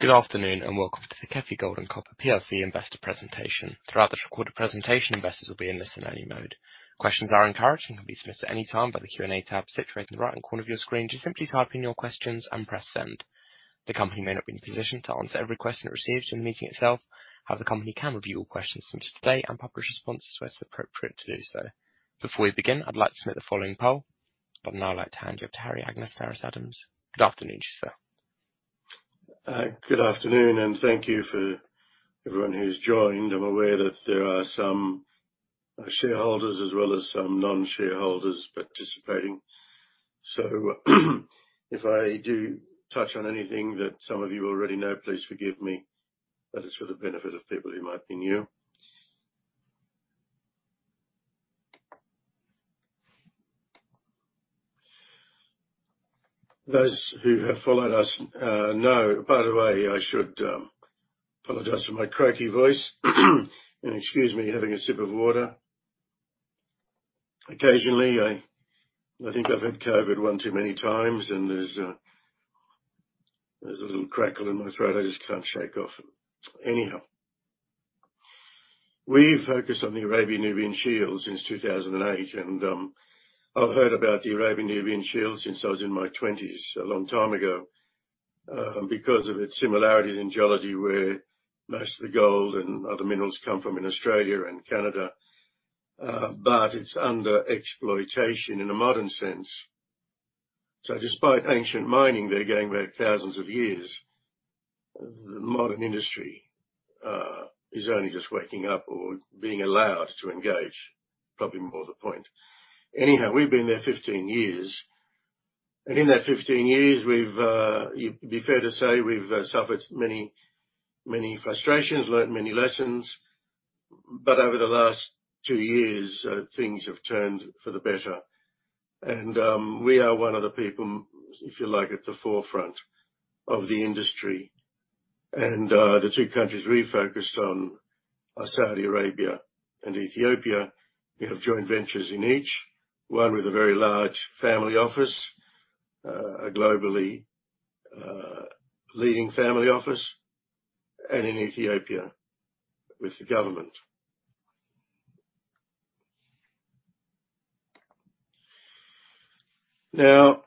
Good afternoon, and welcome to the KEFI Gold and Copper Plc investor presentation. Throughout this recorded presentation, investors will be in listen only mode. Questions are encouraged and can be submitted at any time by the Q&A tab situated in the right-hand corner of your screen. Just simply type in your questions and press Send. The company may not be in a position to answer every question it receives during the meeting itself. However, the company can review all questions submitted today and publish responses where it's appropriate to do so. Before we begin, I'd like to submit the following poll. I'd now like to hand over to Harry Anagnostaras-Adams. Good afternoon to you, sir. Good afternoon and thank you for everyone who's joined. I'm aware that there are some shareholders as well as some non-shareholders participating. If I do touch on anything that some of you already know, please forgive me. That is for the benefit of people who might be new. Those who have followed us know. By the way, I should apologize for my croaky voice and excuse me having a sip of water. Occasionally, I think I've had COVID one too many times, and there's a little crackle in my throat I just can't shake off. Anyhow, we've focused on the Arabian-Nubian Shield since 2008, and, I've heard about the Arabian-Nubian Shield since I was in my twenties, a long time ago, because of its similarities in geology, where most of the gold and other minerals come from in Australia and Canada. It's under exploration in a modern sense. Despite ancient mining there going back thousands of years, the modern industry is only just waking up or being allowed to engage. Probably more to the point. Anyhow, we've been there 15 years and in that 15 years it'd be fair to say we've suffered many, many frustrations, learned many lessons. Over the last two years, things have turned for the better. We are one of the people, if you like, at the forefront of the industry. The two countries we're focused on are Saudi Arabia and Ethiopia. We have joint ventures in each, one with a very large family office, a globally leading family office, and in Ethiopia with the government. Now,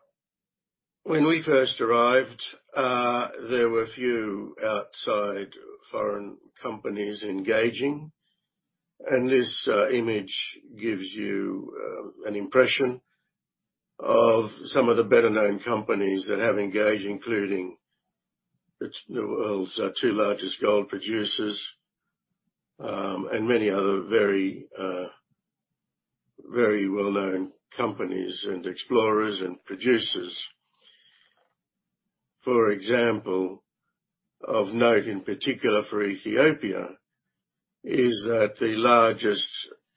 when we first arrived, there were few outside foreign companies engaging, and this image gives you an impression of some of the better-known companies that have engaged, including the world's two largest gold producers, and many other very well-known companies and explorers and producers. For example, of note in particular for Ethiopia is that the largest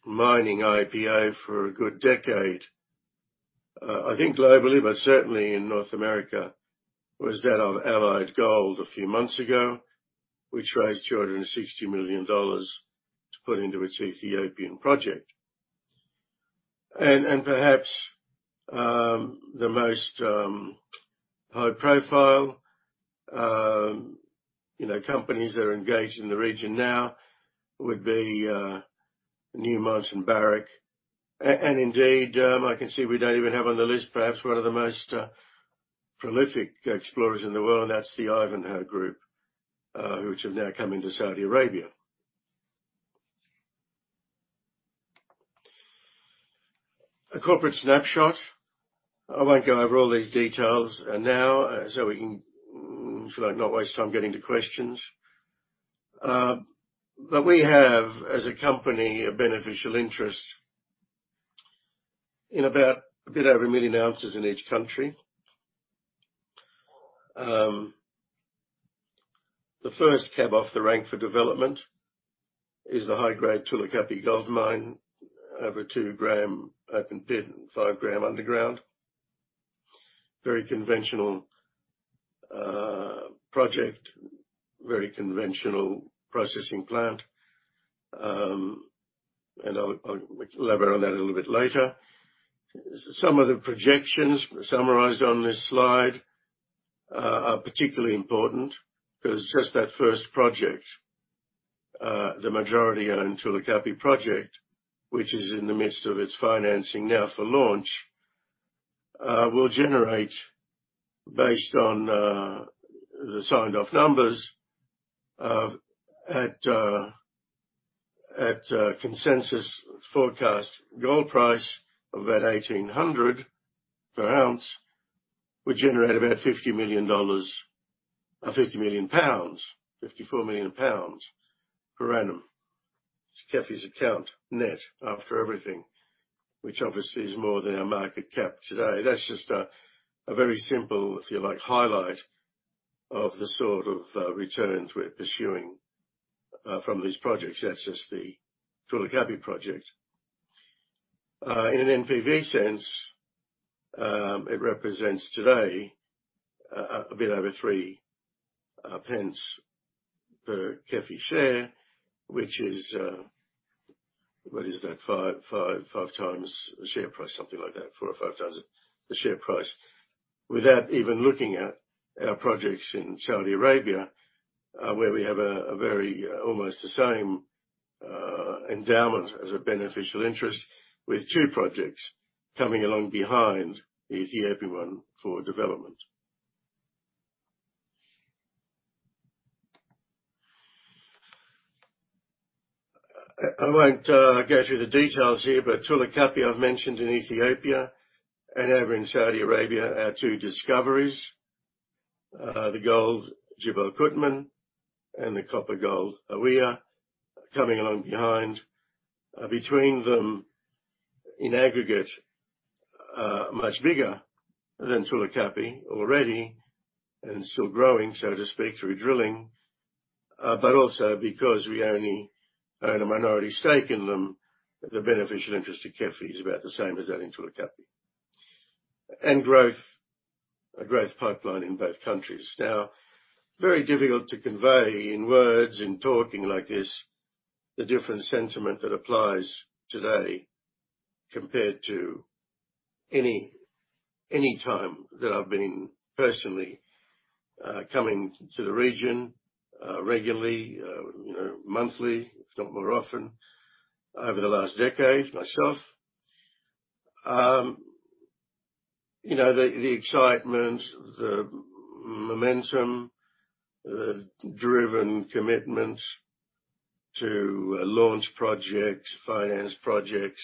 mining IPO for a good decade, I think globally, but certainly in North America, was that of Allied Gold a few months ago, which raised $260 million to put into its Ethiopian project. Perhaps the most high profile, you know, companies that are engaged in the region now would be Newmont and Barrick. Indeed, I can see we don't even have on the list perhaps one of the most prolific explorers in the world, and that's the Ivanhoe Electric, which have now come into Saudi Arabia. A corporate snapshot. I won't go over all these details now, so we can, if you like, not waste time getting to questions. But we have, as a company, a beneficial interest in about a bit over 1 million ounces in each country. The first cab off the rank for development is the high-grade Tulu Kapi Gold Mine, over 2 gram open pit, 5 gram underground. Very conventional project. Very conventional processing plant. I'll elaborate on that a little bit later. Some of the projections summarized on this slide are particularly important 'cause just that first project, the majority-owned Tulu Kapi project, which is in the midst of its financing now for launch, will generate based on the signed off numbers, at consensus forecast gold price of about 1,800 per ounce, will generate about $50 million, 50 million pounds, 54 million pounds per annum. It's KEFI's account net after everything, which obviously is more than our market cap today. That's just a very simple, if you like, highlight of the sort of returns we're pursuing from these projects. That's just the Tulu Kapi project. In an NPV sense, it represents today a bit over three pence per KEFI share, which is. What is that? 5x the share price, something like that. 4x or 5x the share price. Without even looking at our projects in Saudi Arabia, where we have a very almost the same endowment as a beneficial interest, with two projects coming along behind the Ethiopian one for development. I won't go through the details here, but Tulu Kapi I've mentioned in Ethiopia and over in Saudi Arabia are two discoveries. The gold Jibal Qutman and the copper-gold Hawiyah coming along behind. Between them in aggregate, much bigger than Tulu Kapi already and still growing, so to speak, through drilling. But also, because we only own a minority stake in them, the beneficial interest to KEFI is about the same as that in Tulu Kapi. Growth, a growth pipeline in both countries. Now, very difficult to convey in words, in talking like this, the different sentiment that applies today compared to any time that I've been personally coming to the region regularly, you know, monthly, if not more often, over the last decade myself. You know, the excitement, the momentum, the driven commitments to launch projects, finance projects,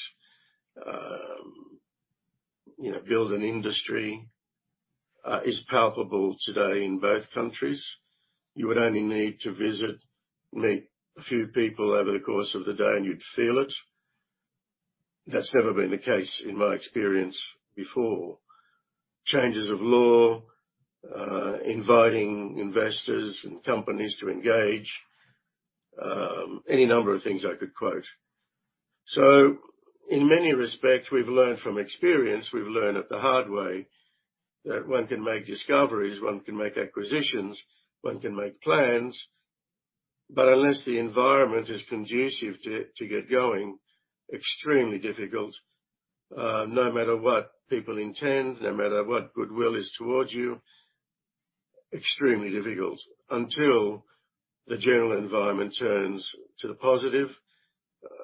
you know, build an industry is palpable today in both countries. You would only need to visit, meet a few people over the course of the day, and you'd feel it. That's never been the case in my experience before. Changes of law inviting investors and companies to engage, any number of things I could quote. In many respects, we've learned from experience, we've learned it the hard way, that one can make discoveries, one can make acquisitions, one can make plans, but unless the environment is conducive to get going, extremely difficult. No matter what people intend, no matter what goodwill is towards you, extremely difficult until the general environment turns to the positive,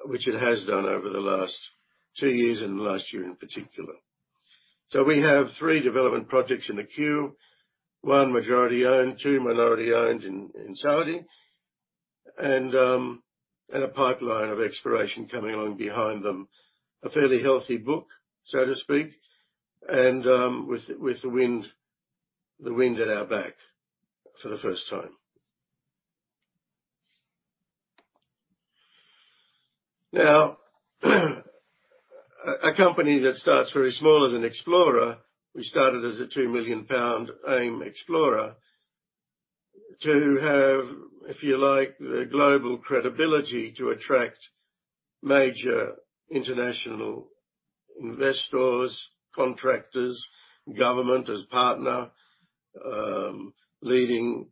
which it has done over the last two years and last year in particular. We have three development projects in the queue. One majority-owned, two minority-owned in Saudi, and a pipeline of exploration coming along behind them. A fairly healthy book, so to speak, and with the wind at our back for the first time. Now a company that starts very small as an explorer, we started as a 2 million pound AIM explorer. To have, if you like, the global credibility to attract major international investors, contractors, government as partner, leading,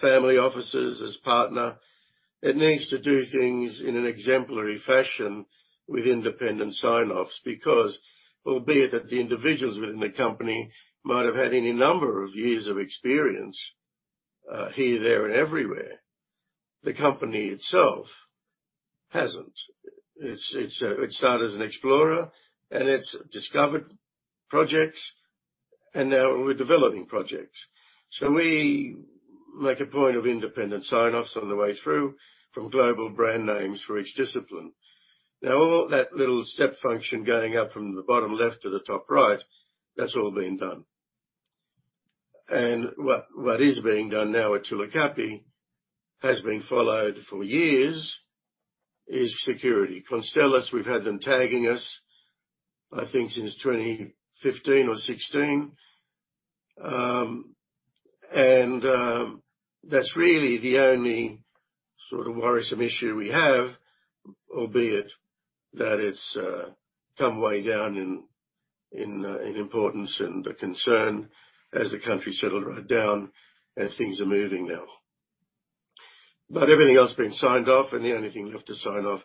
family offices as partner, it needs to do things in an exemplary fashion with independent signoffs. Because albeit that the individuals within the company might have had any number of years of experience, here, there, and everywhere, the company itself hasn't. It started as an explorer, and it's discovered projects, and now we're developing projects. We make a point of independent signoffs on the way through from global brand names for each discipline. Now, all that little step function going up from the bottom left to the top right, that's all been done. What is being done now at Tulu Kapi, has been followed for years, is security. Constellis, we've had them tagging us, I think since 2015 or 2016. That's really the only sort of worrisome issue we have, albeit that it's come way down in importance and the concern as the country's settled right down and things are moving now. Everything else being signed off and the only thing left to sign off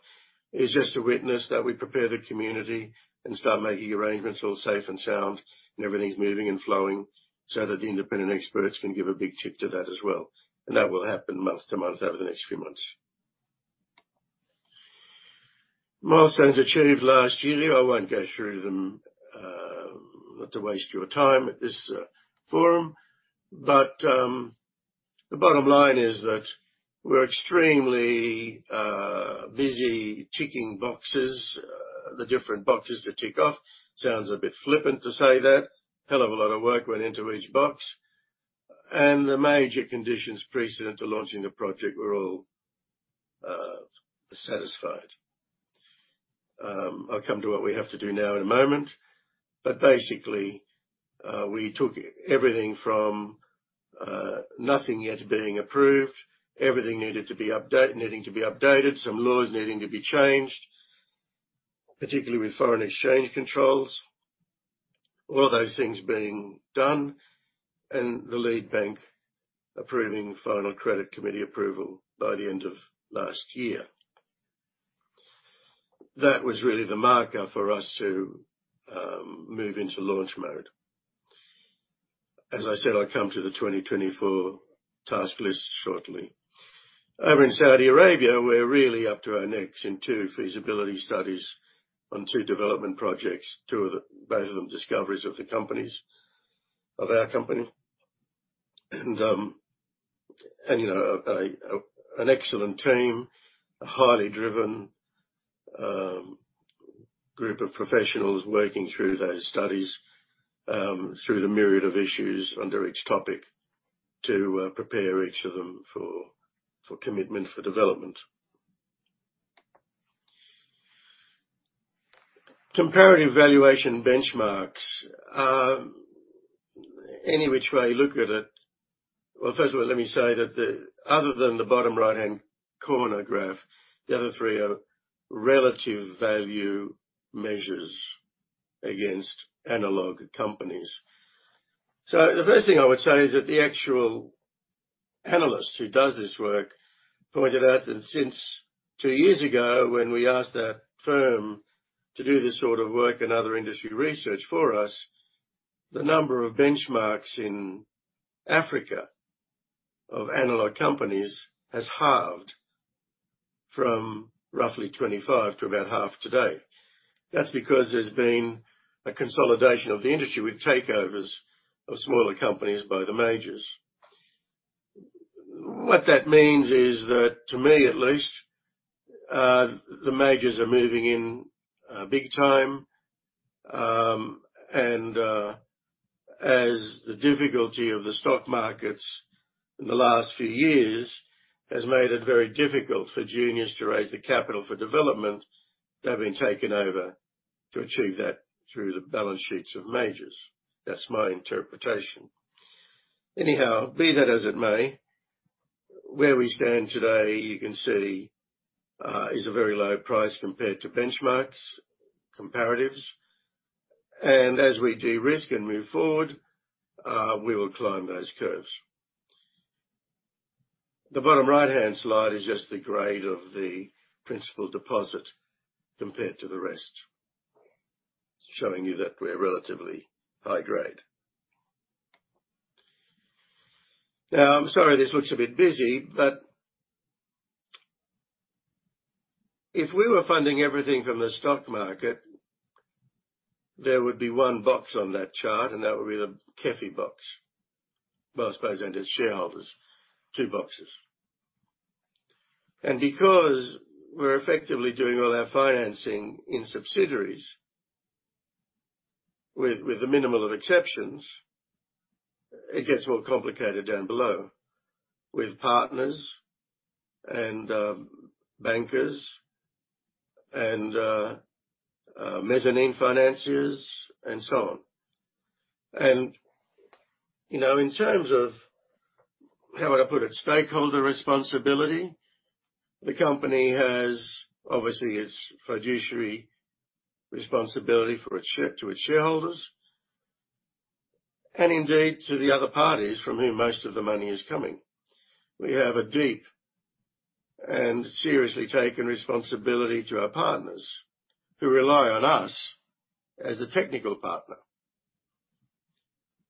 is just to witness that we prepare the community and start making arrangements all safe and sound, and everything's moving and flowing so that the independent experts can give a big tick to that as well. That will happen month-to-month over the next few months. Milestones achieved last year. I won't go through them, not to waste your time at this forum, but the bottom line is that we're extremely busy ticking boxes. The different boxes to tick off. Sounds a bit flippant to say that. Hell of a lot of work went into each box. The major conditions precedent to launching the project were all satisfied. I'll come to what we have to do now in a moment, but basically, we took everything from nothing yet being approved, everything needing to be updated, some laws needing to be changed, particularly with foreign exchange controls. All of those things being done and the lead bank approving final credit committee approval by the end of last year. That was really the marker for us to move into launch mode. As I said, I'll come to the 2024 task list shortly. Over in Saudi Arabia, we're really up to our necks in two feasibility studies on two development projects, both of them discoveries of our company. An excellent team, a highly driven group of professionals working through those studies through the myriad of issues under each topic to prepare each of them for commitment for development. Comparative valuation benchmarks. Any which way you look at it. Well, first of all, let me say that the other than the bottom right-hand corner graph, the other three are relative value measures against analog companies. The first thing I would say is that the actual analyst who does this work pointed out that since two years ago, when we asked that firm to do this sort of work and other industry research for us, the number of benchmarks in Africa of analog companies has halved from roughly 25 to about half today. That's because there's been a consolidation of the industry with takeovers of smaller companies by the majors. What that means is that, to me at least, the majors are moving in big time, and as the difficulty of the stock markets in the last few years has made it very difficult for juniors to raise the capital for development, they're being taken over to achieve that through the balance sheets of majors. That's my interpretation. Anyhow, be that as it may, where we stand today, you can see is a very low price compared to benchmarks, comparatives. As we de-risk and move forward, we will climb those curves. The bottom right-hand slide is just the grade of the principal deposit compared to the rest, showing you that we're relatively high grade. Now, I'm sorry this looks a bit busy, but if we were funding everything from the stock market, there would be one box on that chart, and that would be the KEFI box. Well, I suppose, and its shareholders. Two boxes. Because we're effectively doing all our financing in subsidiaries with a minimal of exceptions, it gets more complicated down below with partners and bankers and mezzanine financiers and so on. You know, in terms of how would I put it, stakeholder responsibility, the company has obviously its fiduciary responsibility for its shareholders and indeed to the other parties from whom most of the money is coming. We have a deep and seriously taken responsibility to our partners who rely on us as a technical partner.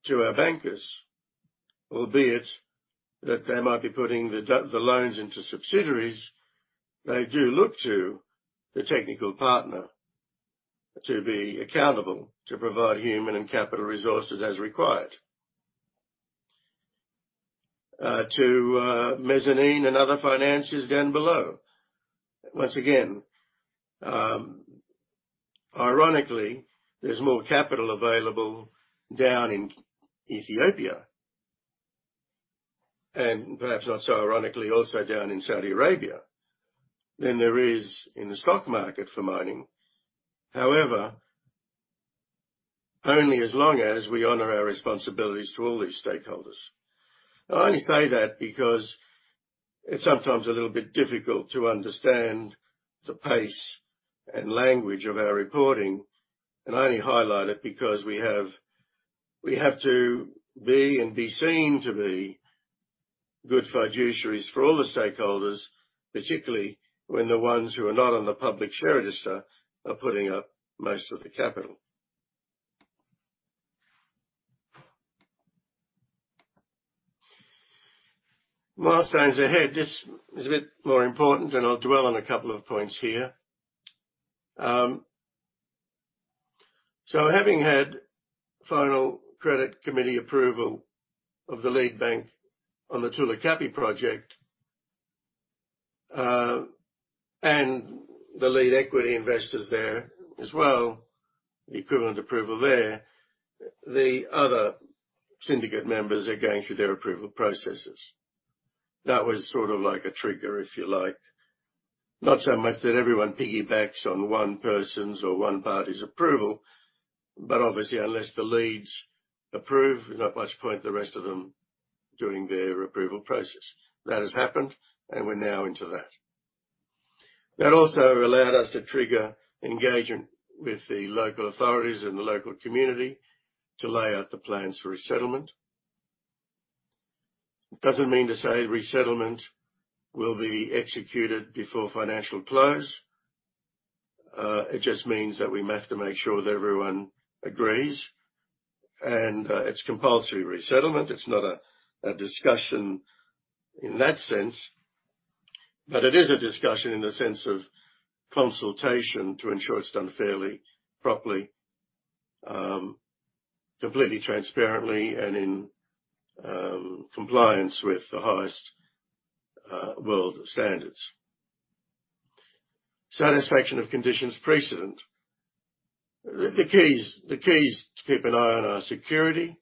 To our bankers, albeit that they might be putting the loans into subsidiaries, they do look to the technical partner to be accountable, to provide human and capital resources as required. To mezzanine and other financiers down below. Once again, ironically, there's more capital available down in Ethiopia, and perhaps not so ironically, also down in Saudi Arabia, than there is in the stock market for mining. However, only as long as we honor our responsibilities to all these stakeholders. I only say that because it's sometimes a little bit difficult to understand the pace and language of our reporting, and I only highlight it because we have to be and be seen to be good fiduciaries for all the stakeholders, particularly when the ones who are not on the public share register are putting up most of the capital. Milestones ahead. This is a bit more important, and I'll dwell on a couple of points here. Having had final credit committee approval of the lead bank on the Tulu Kapi project, and the lead equity investors there as well, the equivalent approval there, the other syndicate members are going through their approval processes. That was sort of like a trigger, if you like. Not so much that everyone piggybacks on one person's or one party's approval, but obviously, unless the leads approve, there's not much point the rest of them doing their approval process. That has happened, and we're now into that. That also allowed us to trigger engagement with the local authorities and the local community to lay out the plans for resettlement. It doesn't mean to say resettlement will be executed before financial close. It just means that we have to make sure that everyone agrees. It's compulsory resettlement. It's not a discussion in that sense, but it is a discussion in the sense of consultation to ensure it's done fairly, properly, completely transparently and in compliance with the highest world standards. Satisfaction of conditions precedent. The keys to keep an eye on are security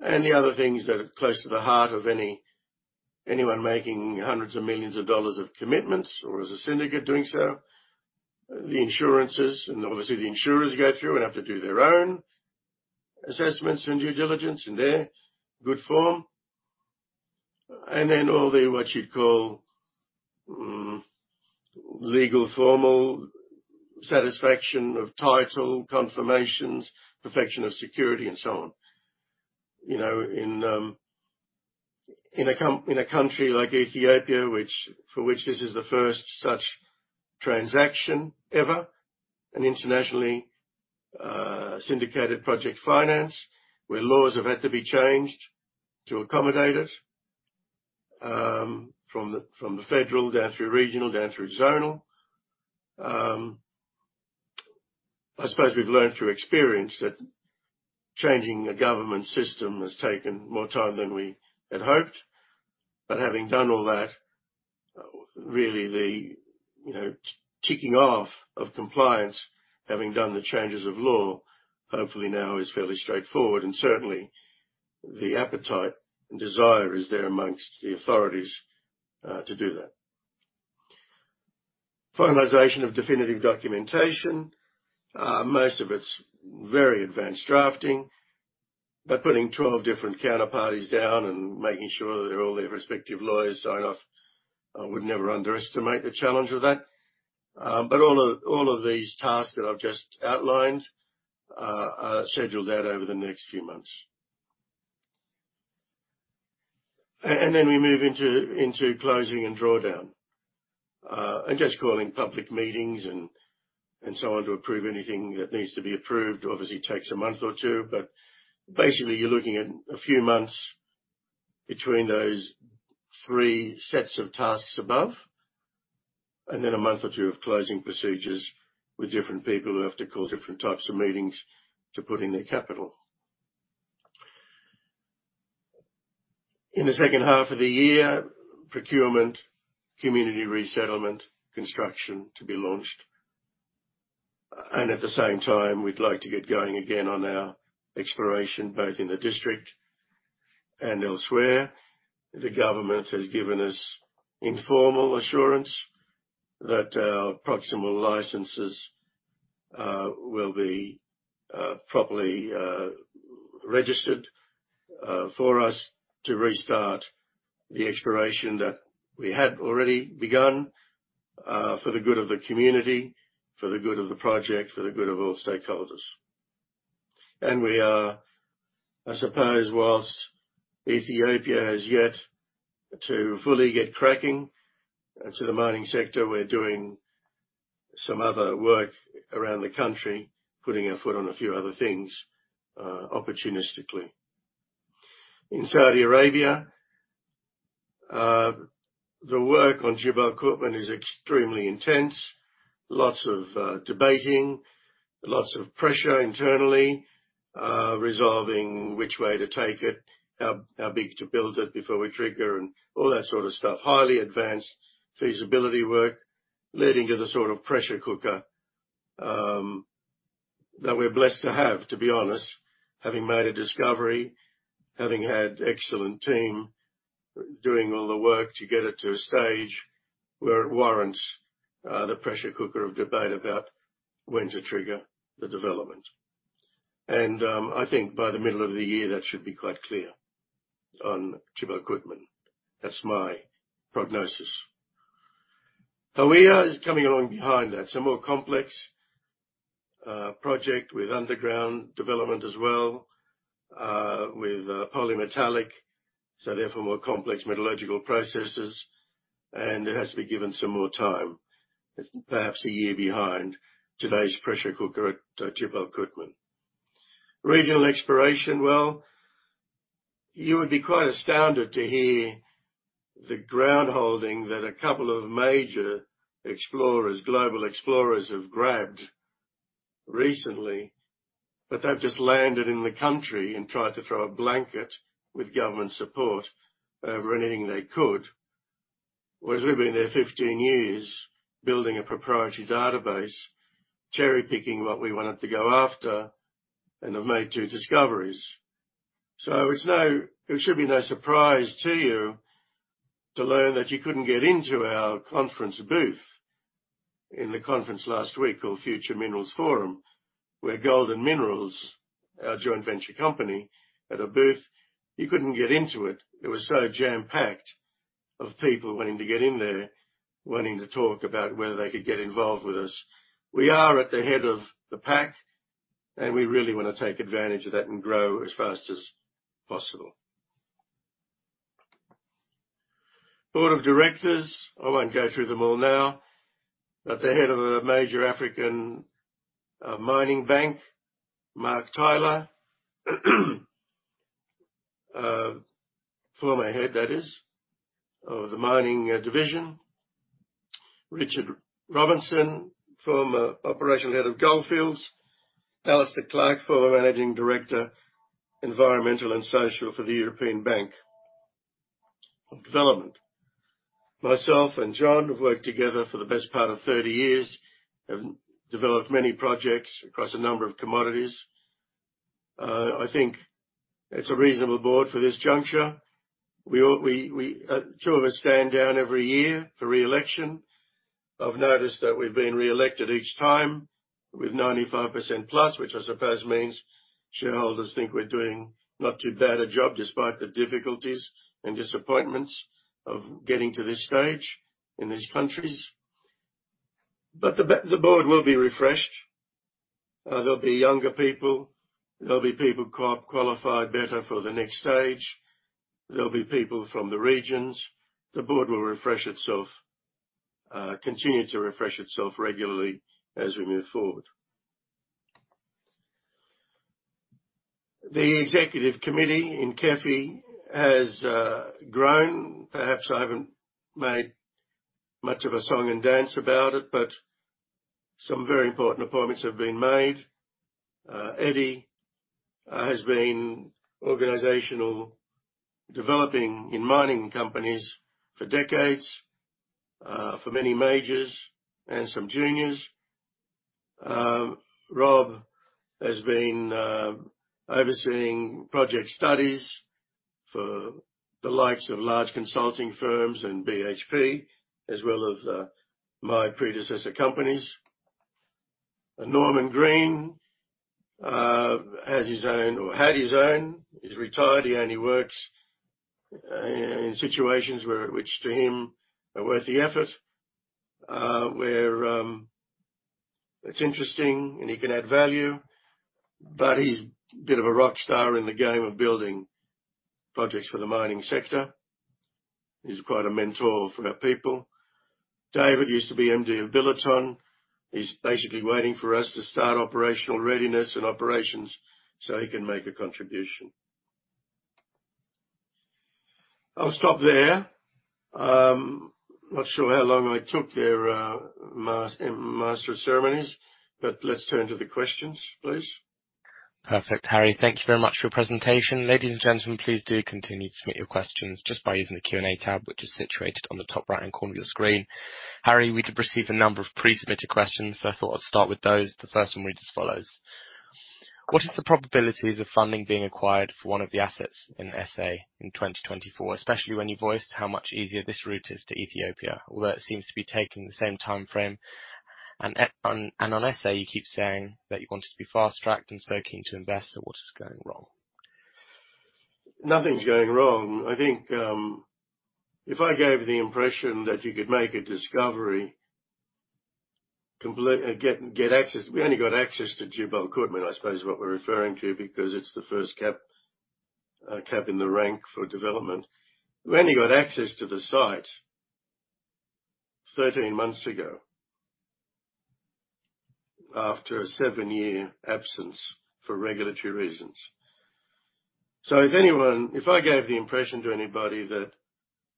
and the other things that are close to the heart of anyone making $ hundreds of millions of commitments or as a syndicate doing so. The insurances, and obviously, the insurers go through and have to do their own assessments and due diligence in their good form. Then all the, what you'd call, legal, formal satisfaction of title, confirmations, perfection of security, and so on. You know, in a country like Ethiopia for which this is the first such transaction ever, an internationally syndicated project finance, where laws have had to be changed to accommodate it, from the federal down through regional down through zonal. I suppose we've learned through experience that changing a government system has taken more time than we had hoped. Having done all that, really the ticking off of compliance, having done the changes of law, hopefully now is fairly straightforward. Certainly, the appetite and desire is there among the authorities to do that. Finalization of definitive documentation. Most of it's very advanced drafting. Putting 12 different counterparties down and making sure that all their respective lawyers sign off, I would never underestimate the challenge of that. All of these tasks that I've just outlined are scheduled out over the next few months. Then we move into closing and drawdown. Just calling public meetings and so on to approve anything that needs to be approved obviously takes a month or two, but basically, you're looking at a few months between those three sets of tasks above, and then a month or two of closing procedures with different people who have to call different types of meetings to put in their capital. In the second half of the year, procurement, community resettlement, construction to be launched. At the same time, we'd like to get going again on our exploration, both in the district and elsewhere. The government has given us informal assurance that our provisional licenses will be properly registered for us to restart the exploration that we had already begun for the good of the community, for the good of the project, for the good of all stakeholders. We are, I suppose, while Ethiopia has yet to fully get cracking to the mining sector, we're doing some other work around the country, putting our foot on a few other things opportunistically. In Saudi Arabia, the work on Jibal Qutman is extremely intense. Lots of debating, lots of pressure internally resolving which way to take it, how big to build it before we trigger, and all that sort of stuff. Highly advanced feasibility work, leading to the sort of pressure cooker that we're blessed to have, to be honest. Having made a discovery, having had excellent team doing all the work to get it to a stage where it warrants the pressure cooker of debate about when to trigger the development. I think by the middle of the year, that should be quite clear on Jibal Qutman. That's my prognosis. Hawiyah is coming along behind that. It's a more complex project with underground development as well, with polymetallic, so therefore, more complex metallurgical processes, and it has to be given some more time. It's perhaps a year behind today's pressure cooker at Jibal Qutman. Regional exploration. Well, you would be quite astounded to hear the ground holdings that a couple of major explorers, global explorers, have grabbed recently. But they've just landed in the country and tried to throw a blanket with government support over anything they could. Whereas we've been there 15 years building a proprietary database, cherry-picking what we wanted to go after, and have made two discoveries. It's no surprise to you to learn that you couldn't get into our conference booth. In the conference last week called Future Minerals Forum, where Gold and Minerals Company, our joint venture company, had a booth. You couldn't get into it. It was so jam-packed of people wanting to get in there, wanting to talk about whether they could get involved with us. We are at the head of the pack, and we really wanna take advantage of that and grow as fast as possible. Board of directors. I won't go through them all now, but the head of a major African mining bank, Mark Tyler. Former head, that is, of the mining division. Richard Robinson, former operational head of Gold Fields. Alistair Clark, Former Managing Director, Environment and Sustainability, European Bank for Reconstruction and Development. Myself and John have worked together for the best part of 30 years, have developed many projects across a number of commodities. I think it's a reasonable board for this juncture. Two of us stand down every year for re-election. I've noticed that we've been re-elected each time with 95%+, which I suppose means shareholders think we're doing not too bad a job, despite the difficulties and disappointments of getting to this stage in these countries. The board will be refreshed. There'll be younger people. There'll be people qualified better for the next stage. There'll be people from the regions. The board will refresh itself, continue to refresh itself regularly as we move forward. The executive committee in KEFI has grown. Perhaps I haven't made much of a song and dance about it, but some very important appointments have been made. Eddie has been in organizational development in mining companies for decades, for many majors and some juniors. Rob has been overseeing project studies for the likes of large consulting firms and BHP, as well as my predecessor companies. Norman Green has his own or had his own. He's retired. He only works in situations which to him are worth the effort, where it's interesting and he can add value. He's a bit of a rock star in the game of building projects for the mining sector. He's quite a mentor for our people. David used to be MD of Billiton. He's basically waiting for us to start operational readiness and operations so he can make a contribution. I'll stop there. Not sure how long I took there, master of ceremonies, but let's turn to the questions, please. Perfect. Harry, thank you very much for your presentation. Ladies and gentlemen, please do continue to submit your questions just by using the Q&A tab, which is situated on the top right-hand corner of your screen. Harry, we did receive a number of pre-submitted questions, so I thought I'd start with those. The first one reads as follows: What is the probabilities of funding being acquired for one of the assets in SA in 2024, especially when you voiced how much easier this route is to Ethiopia? Although it seems to be taking the same timeframe. On SA, you keep saying that you want it to be fast-tracked and so keen to invest. What is going wrong? Nothing's going wrong. I think if I gave the impression that you could get access we only got access to Jibal Qutman, I suppose, what we're referring to, because it's the first cap in the rank for development. We only got access to the site 13 months ago, after a seven-year absence for regulatory reasons. If I gave the impression to anybody that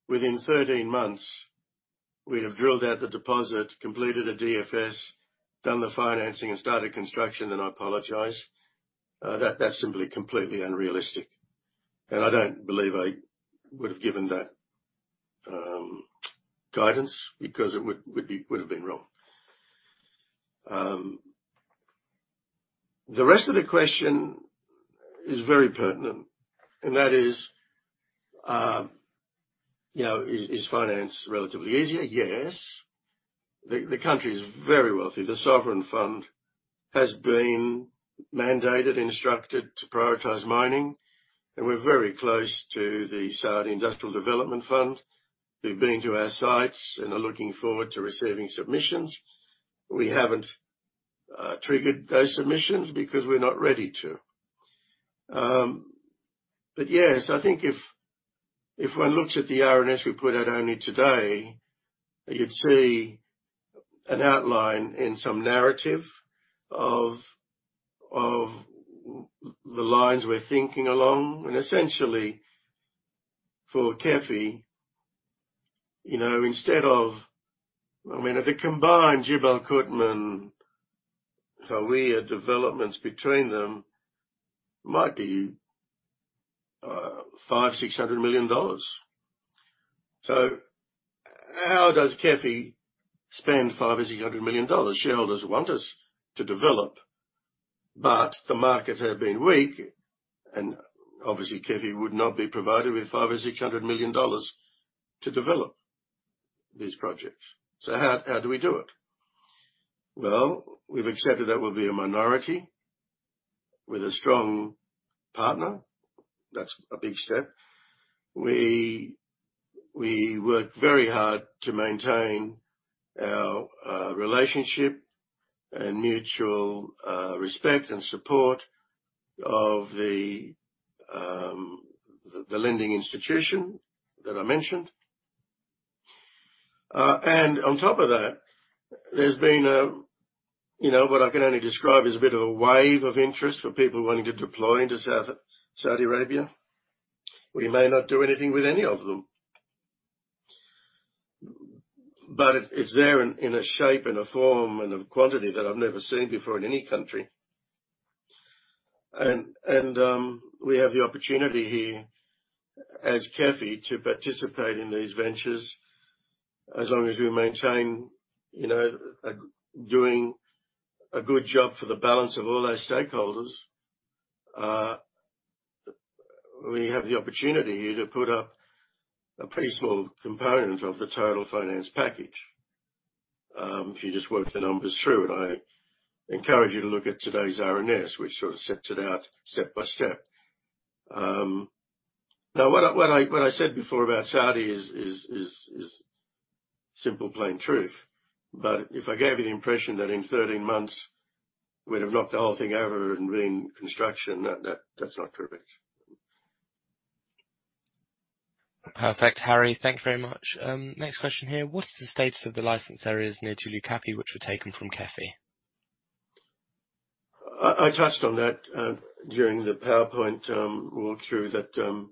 within 13 months we'd have drilled out the deposit, completed a DFS, done the financing, and started construction, then I apologize. That's simply completely unrealistic. I don't believe I would have given that guidance because it would have been wrong. The rest of the question is very pertinent, and that is, you know, is finance relatively easier? Yes. The country is very wealthy. The sovereign fund has been mandated, instructed to prioritize mining, and we're very close to the Saudi Industrial Development Fund, who've been to our sites and are looking forward to receiving submissions. We haven't triggered those submissions because we're not ready to. Yes, I think if one looks at the RNS we put out only today, you'd see an outline and some narrative of the lines we're thinking along. Essentially, for KEFI, you know, instead of. I mean, if it combined Jibal Qutman, Hawiyah developments between them might be $500-$600 million. How does KEFI spend $500-$600 million? Shareholders want us to develop. The market had been weak and obviously KEFI would not be provided with $500-$600 million to develop these projects. How do we do it? Well, we've accepted that we'll be a minority with a strong partner. That's a big step. We work very hard to maintain our relationship and mutual respect and support of the lending institution that I mentioned. On top of that, there's been a, you know, what I can only describe as a bit of a wave of interest for people wanting to deploy into Saudi Arabia. We may not do anything with any of them. It's there in a shape, in a form, and a quantity that I've never seen before in any country. We have the opportunity here as KEFI to participate in these ventures as long as we maintain, you know, doing a good job for the balance of all those stakeholders. We have the opportunity here to put up a pretty small component of the total finance package. If you just work the numbers through, and I encourage you to look at today's RNS, which sort of sets it out step by step. Now what I said before about Saudi is simple, plain truth. If I gave you the impression that in 13 months we'd have knocked the whole thing over and been in construction, that's not correct. Perfect, Harry. Thank you very much. Next question here. What's the status of the license areas near Tulu Kapi which were taken from KEFI? I touched on that during the PowerPoint walkthrough that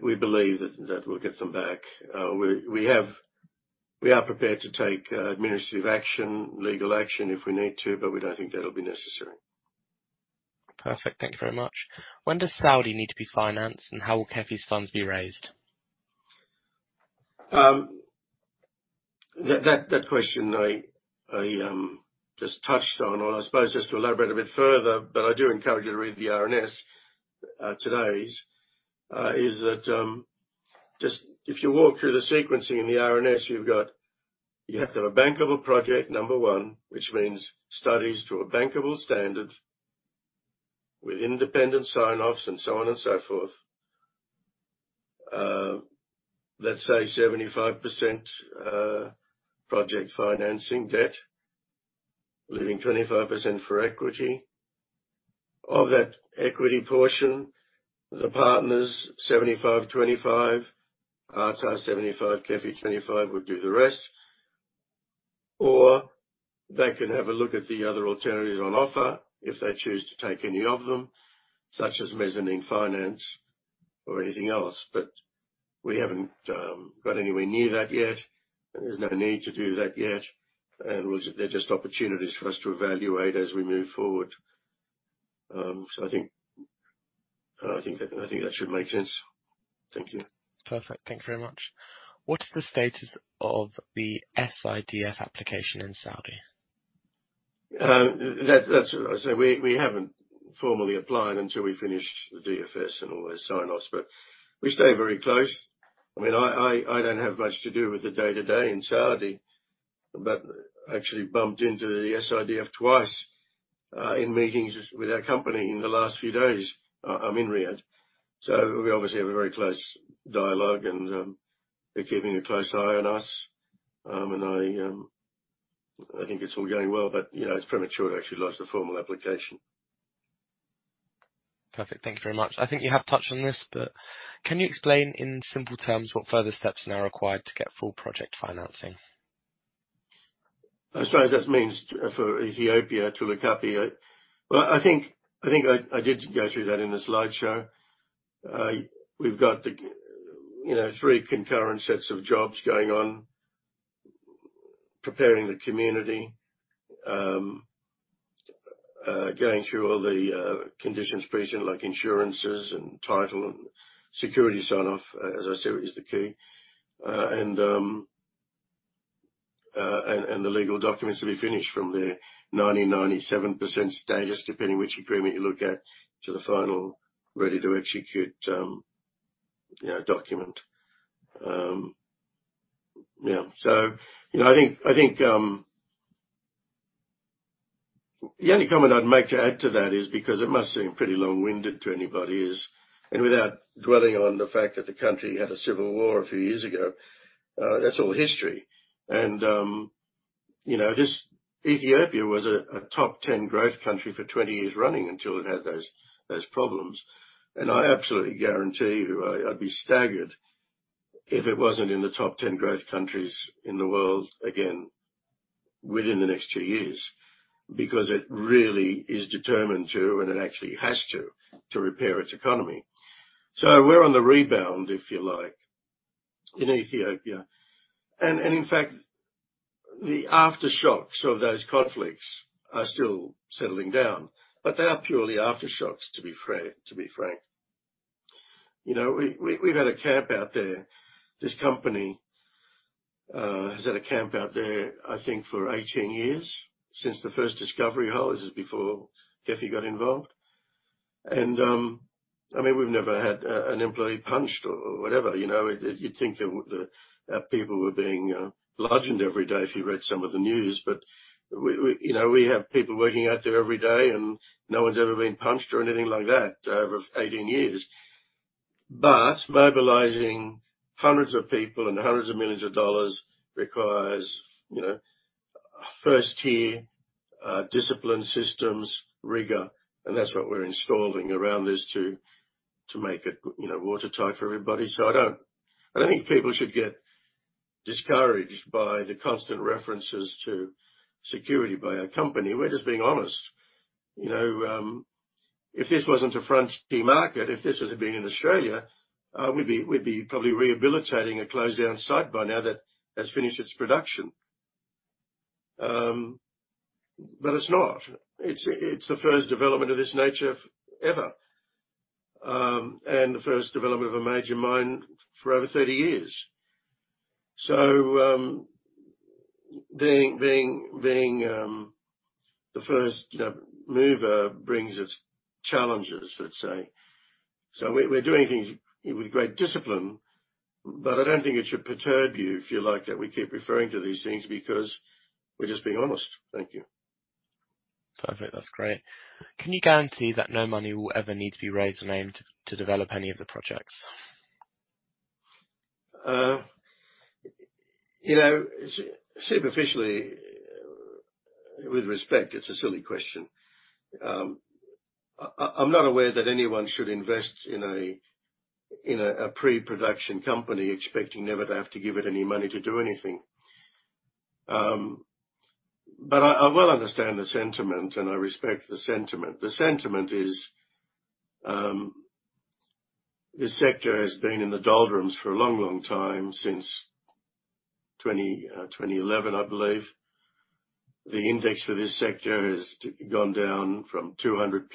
we believe we'll get them back. We are prepared to take administrative action, legal action if we need to, but we don't think that'll be necessary. Perfect. Thank you very much. When does Saudi need to be financed, and how will KEFI's funds be raised? That question I just touched on. I suppose just to elaborate a bit further, but I do encourage you to read the RNS today's. Just if you walk through the sequencing in the RNS, you've got you have to have a bankable project, number one, which means studies to a bankable standard with independent sign-offs and so on and so forth. Let's say 75% project financing debt, leaving 25% for equity. Of that equity portion, the partners 75, 25. ARTAR 75, KEFI 25 would do the rest. They can have a look at the other alternatives on offer if they choose to take any of them, such as mezzanine finance or anything else. We haven't got anywhere near that yet, and there's no need to do that yet. They're just opportunities for us to evaluate as we move forward. I think that should make sense. Thank you. Perfect. Thank you very much. What is the status of the SIDF application in Saudi? We haven't formally applied until we finish the DFS and all those sign-offs, but we stay very close. I mean, I don't have much to do with the day-to-day in Saudi, but I actually bumped into the SIDF twice in meetings with their company in the last few days. I'm in Riyadh. We obviously have a very close dialogue and they're keeping a close eye on us. I think it's all going well, but you know, it's premature to actually lodge the formal application. Perfect. Thank you very much. I think you have touched on this, but can you explain in simple terms what further steps are now required to get full project financing? I suppose that means for Ethiopia, Tulu Kapi. Well, I think I did go through that in the slideshow. We've got the, you know, three concurrent sets of jobs going on. Preparing the community, going through all the conditions precedent like insurances and title and security sign-off, as I said, is the key. And the legal documents will be finished from there. 97% status, depending which agreement you look at, to the final ready-to-execute, you know, document. Yeah. You know, I think. The only comment I'd make to add to that is because it must seem pretty long-winded to anybody, and without dwelling on the fact that the country had a civil war a few years ago, that's all history. You know, just Ethiopia was a top 10 growth country for 20 years running until it had those problems. I absolutely guarantee you, I'd be staggered if it wasn't in the top 10 growth countries in the world again within the next two years, because it really is determined to, and it actually has to repair its economy. We're on the rebound, if you like, in Ethiopia. In fact, the aftershocks of those conflicts are still settling down, but they are purely aftershocks, to be frank. You know, we've had a camp out there. This company has had a camp out there, I think, for 18 years since the first discovery hole. This is before KEFI got involved. I mean, we've never had an employee punched or whatever, you know. You'd think that our people were being bludgeoned every day if you read some of the news. We you know we have people working out there every day, and no one's ever been punched or anything like that over 18 years. Mobilizing hundreds of people and hundreds of millions of dollars requires you know first-tier discipline systems, rigor, and that's what we're installing around this to make it you know watertight for everybody. I don't think people should get discouraged by the constant references to security by our company. We're just being honest. You know if this wasn't a frontier market, if this had been in Australia, we'd be probably rehabilitating a closed down site by now that has finished its production. It's not. It's the first development of this nature ever, and the first development of a major mine for over 30 years. Being the first, you know, mover brings its challenges, let's say. We're doing things with great discipline, but I don't think it should perturb you if you like that we keep referring to these things because we're just being honest. Thank you. Perfect. That's great. Can you guarantee that no money will ever need to be raised or aimed to develop any of the projects? You know, superficially, with respect, it's a silly question. I'm not aware that anyone should invest in a pre-production company expecting never to have to give it any money to do anything. But I well understand the sentiment, and I respect the sentiment. The sentiment is this sector has been in the doldrums for a long, long time, since 2011, I believe. The index for this sector has gone down from 200+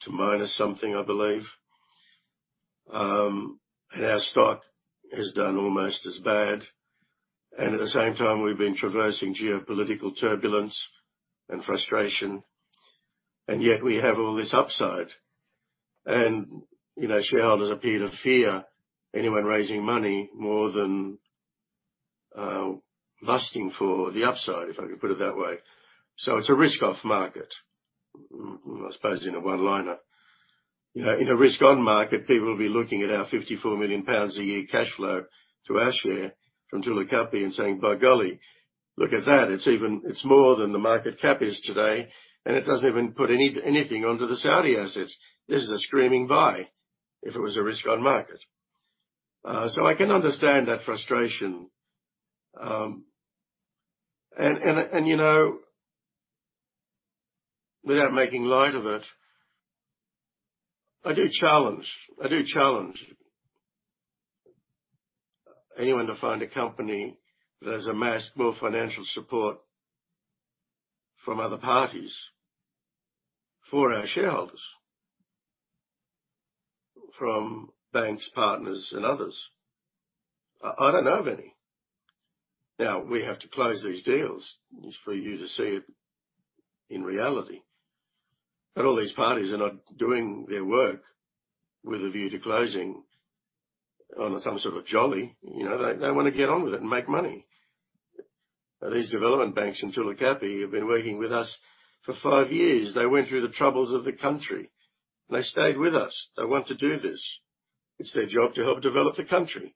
to minus something, I believe. Our stock has done almost as bad. At the same time, we've been traversing geopolitical turbulence and frustration, and yet we have all this upside. You know, shareholders appear to fear anyone raising money more than lusting for the upside, if I could put it that way. It's a risk-off market, I suppose in a one-liner. In a risk-on market, people will be looking at our 54 million pounds a year cash flow to our share from Tulu Kapi and saying, "By golly, look at that. It's even more than the market cap is today, and it doesn't even put anything onto the Saudi assets. This is a screaming buy," if it was a risk-on market. I can understand that frustration. Without making light of it, I do challenge anyone to find a company that has amassed more financial support from other parties for our shareholders, from banks, partners and others. I don't know of any. Now we have to close these deals for you to see it in reality. All these parties are not doing their work with a view to closing on some sort of jolly. You know, they wanna get on with it and make money. These development banks in Tulu Kapi have been working with us for five years. They went through the troubles of the country. They stayed with us. They want to do this. It's their job to help develop the country.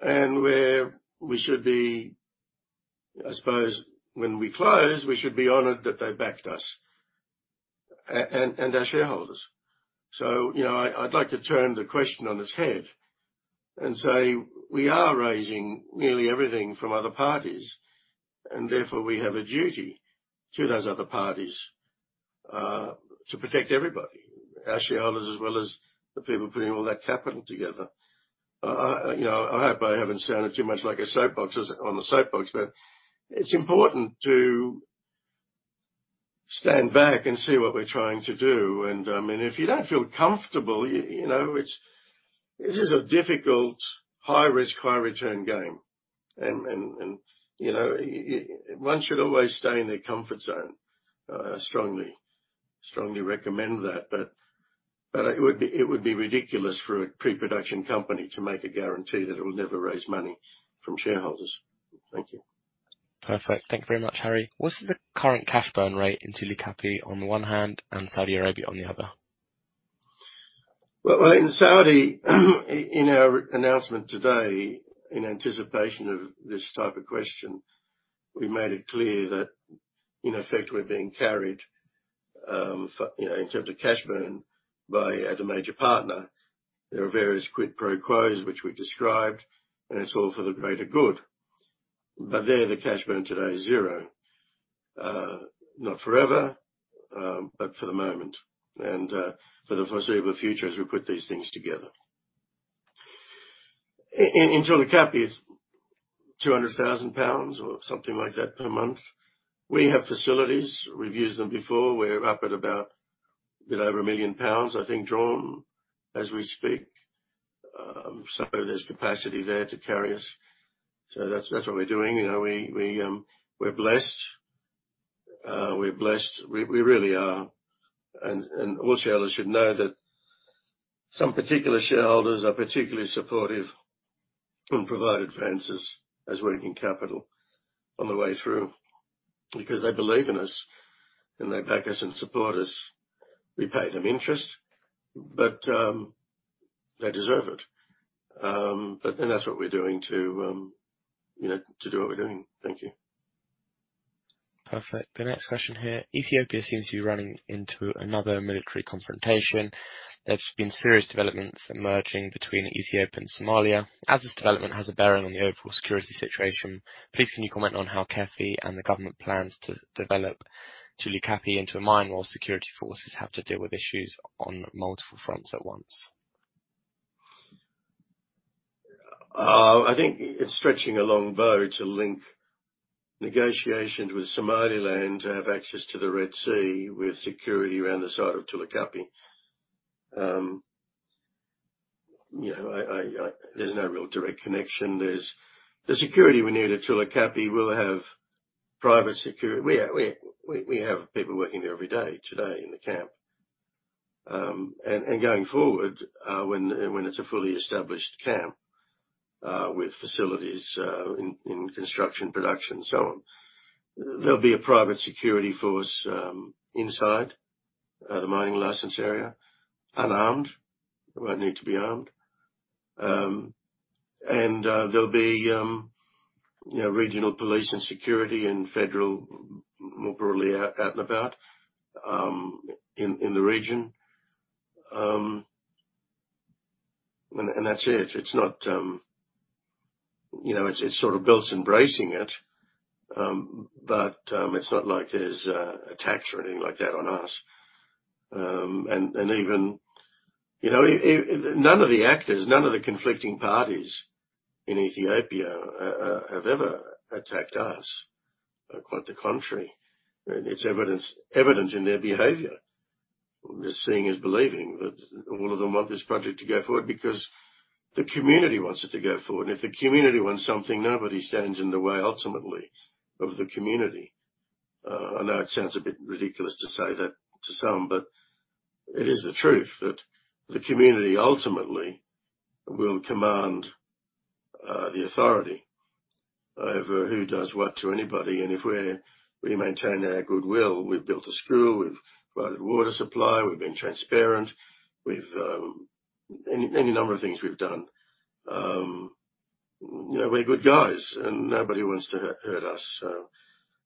Where we should be, I suppose, when we close, we should be honored that they backed us and our shareholders. You know, I'd like to turn the question on its head and say, we are raising nearly everything from other parties, and therefore, we have a duty to those other parties to protect everybody, our shareholders as well as the people putting all that capital together. You know, I hope I haven't sounded too much like a soapbox as on a soapbox, but it's important to stand back and see what we're trying to do. I mean, if you don't feel comfortable, you know, it's. This is a difficult high-risk, high-return game. You know, one should always stay in their comfort zone. I strongly recommend that. It would be ridiculous for a pre-production company to make a guarantee that it will never raise money from shareholders. Thank you. Perfect. Thank you very much, Harry. What's the current cash burn rate in Tulu Kapi on the one hand and Saudi Arabia on the other? Well, in Saudi, in our announcement today, in anticipation of this type of question, we made it clear that, in effect, we're being carried, you know, in terms of cash burn by the major partner. There are various quid pro quos which we described, and it's all for the greater good. There, the cash burn today is 0. Not forever, but for the moment and for the foreseeable future as we put these things together. In Tulu Kapi, it's 200,000 pounds or something like that per month. We have facilities. We've used them before. We're up at about a bit over 1 million pounds, I think, drawn as we speak. So there's capacity there to carry us. That's what we're doing. You know, we're blessed. We're blessed. We really are. All shareholders should know that some particular shareholders are particularly supportive and provide advances as working capital on the way through because they believe in us and they back us and support us. We pay them interest, but they deserve it. That's what we're doing, you know, to do what we're doing. Thank you. Perfect. The next question here: Ethiopia seems to be running into another military confrontation. There's been serious developments emerging between Ethiopia and Somalia. As this development has a bearing on the overall security situation, please can you comment on how KEFI and the government plans to develop Tulu Kapi into a mine while security forces have to deal with issues on multiple fronts at once? I think it's stretching a long bow to link negotiations with Somaliland to have access to the Red Sea with security around the site of Tulu Kapi. You know, there's no real direct connection. The security we need at Tulu Kapi will have private security. We have people working there every day today in the camp. Going forward, when it's a fully established camp, with facilities in construction, production, and so on, there'll be a private security force inside the mining license area, unarmed. They won't need to be armed. There'll be, you know, regional police and security and federal, more broadly, out and about in the region. That's it. You know, it's sort of built embracing it. It's not like there's attacks or anything like that on us. Even you know, none of the actors, none of the conflicting parties in Ethiopia have ever attacked us. Quite the contrary, it's evident in their behavior. Just seeing is believing that all of them want this project to go forward because the community wants it to go forward. If the community wants something, nobody stands in the way, ultimately, of the community. I know it sounds a bit ridiculous to say that to some, but it is the truth that the community ultimately will command the authority over who does what to anybody. If we maintain our goodwill. We've built a school. We've provided water supply. We've been transparent. Any number of things we've done. You know, we're good guys, and nobody wants to hurt us.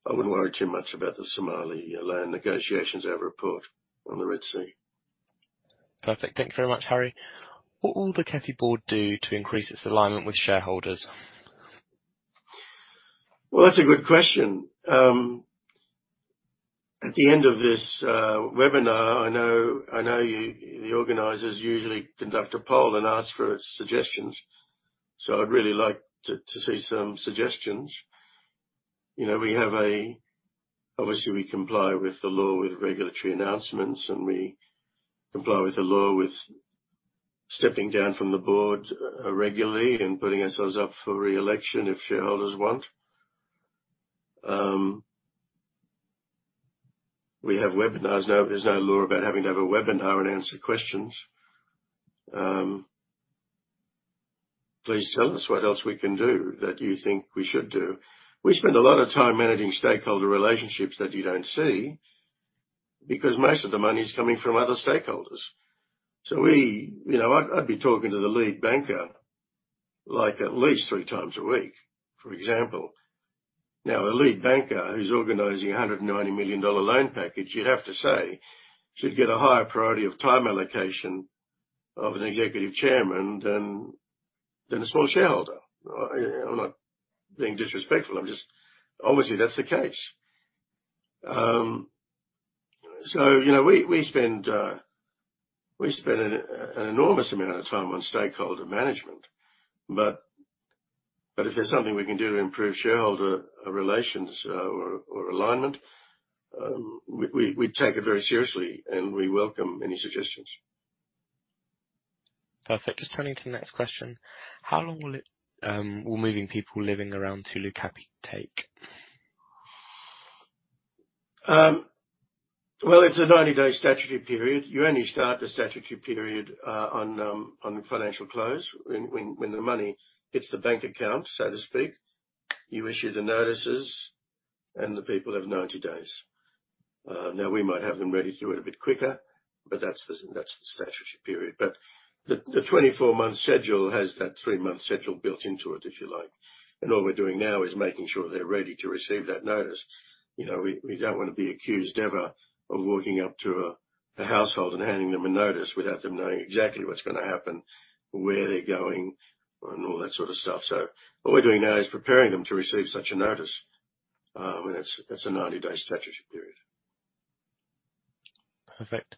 I wouldn't worry too much about the Somaliland negotiations over a port on the Red Sea. Perfect. Thank you very much, Harry. What will the KEFI board do to increase its alignment with shareholders? Well, that's a good question. At the end of this webinar, I know you, the organizers usually conduct a poll and ask for suggestions, so I'd really like to see some suggestions. You know, obviously, we comply with the law with regulatory announcements, and we comply with the law with stepping down from the board regularly and putting ourselves up for re-election if shareholders want. We have webinars. Now, there's no law about having to have a webinar and answer questions. Please tell us what else we can do, that you think we should do. We spend a lot of time managing stakeholder relationships that you don't see because most of the money is coming from other stakeholders. You know, I'd be talking to the lead banker, like, at least 3x a week, for example. Now, a lead banker who's organizing $190 million loan package, you'd have to say, should get a higher priority of time allocation of an executive chairman than a small shareholder. I'm not being disrespectful. I'm just obviously that's the case. You know, we spend an enormous amount of time on stakeholder management. If there's something we can do to improve shareholder relations or alignment, we take it very seriously and we welcome any suggestions. Perfect. Just turning to the next question. How long will moving people living around Tulu Kapi take? Well, it's a 90-day statutory period. You only start the statutory period on financial close when the money hits the bank account, so to speak. You issue the notices and the people have 90 days. Now we might have them ready to do it a bit quicker, but that's the statutory period. The 24-month schedule has that three-month schedule built into it, if you like. All we're doing now is making sure they're ready to receive that notice. You know, we don't wanna be accused ever of walking up to a household and handing them a notice without them knowing exactly what's gonna happen, where they're going, and all that sort of stuff. What we're doing now is preparing them to receive such a notice. That's a 90-day statutory period. Perfect.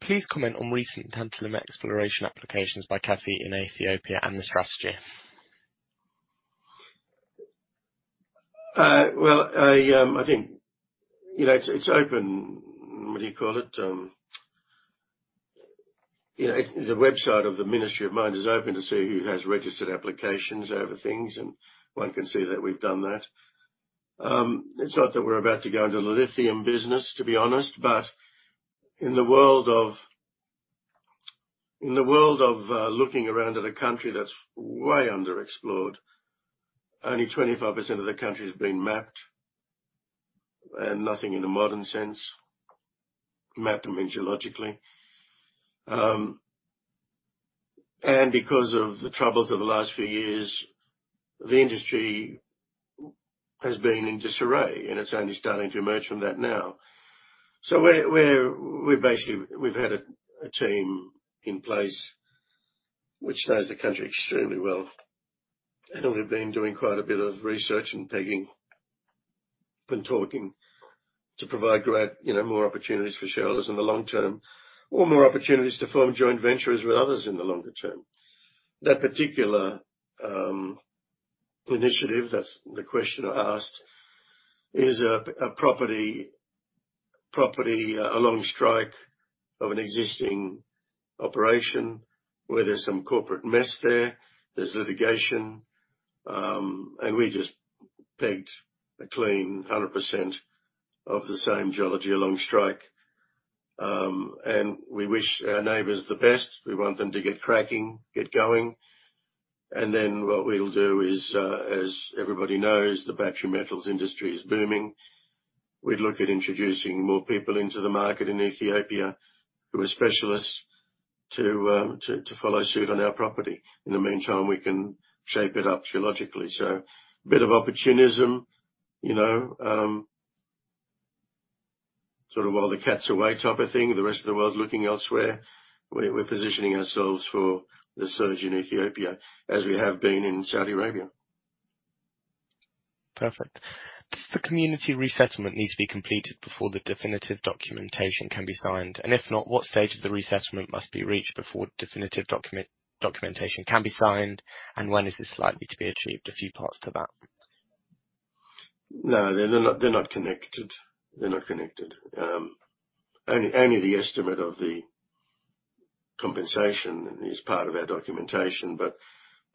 Please comment on recent tantalum exploration applications by KEFI in Ethiopia and this roster. Well, I think, you know, it's open. What do you call it? You know, the website of the Ministry of Mines is open to see who has registered applications over things, and one can see that we've done that. It's not that we're about to go into the lithium business, to be honest, but in the world of looking around at a country that's way underexplored, only 25% of the country has been mapped, and nothing in a modern sense, geologically. Because of the troubles of the last few years, the industry has been in disarray, and it's only starting to emerge from that now. We've had a team in place which knows the country extremely well, and we've been doing quite a bit of research and pegging and talking to provide greater, you know, more opportunities for shareholders in the long term or more opportunities to form joint ventures with others in the longer term. That particular initiative, that's the question I asked, is a property along strike of an existing operation where there's some corporate mess there. There's litigation, and we just pegged a clean 100% of the same geology along strike. We wish our neighbors the best. We want them to get cracking, get going. What we'll do is, as everybody knows, the battery metals industry is booming. We'd look at introducing more people into the market in Ethiopia who are specialists to follow suit on our property. In the meantime, we can shape it up geologically. A bit of opportunism, you know, sort of while the cat's away type of thing. The rest of the world is looking elsewhere. We're positioning ourselves for the surge in Ethiopia as we have been in Saudi Arabia. Perfect. Does the community resettlement needs to be completed before the definitive documentation can be signed? And if not, what stage of the resettlement must be reached before definitive documentation can be signed? And when is this likely to be achieved? A few parts to that. No, they're not connected. Only the estimate of the compensation is part of our documentation. The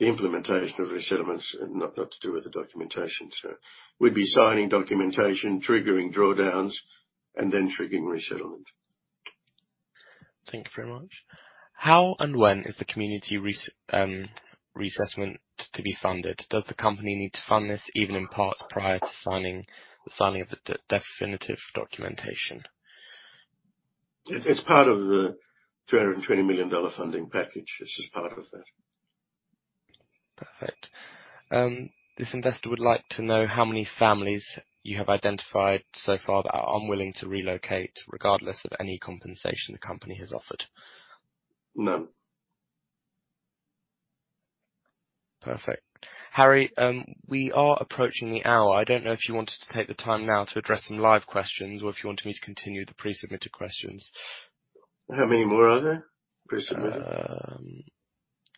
implementation of resettlement is not to do with the documentation. We'd be signing documentation, triggering drawdowns, and then triggering resettlement. Thank you very much. How and when is the community reassessment to be funded? Does the company need to fund this even in part prior to signing the definitive documentation? It's part of the $220 million funding package. It's just part of that. Perfect. This investor would like to know how many families you have identified so far that are unwilling to relocate regardless of any compensation the company has offered. None. Perfect. Harry, we are approaching the hour. I don't know if you wanted to take the time now to address some live questions or if you want me to continue the pre-submitted questions. How many more are there, pre-submitted?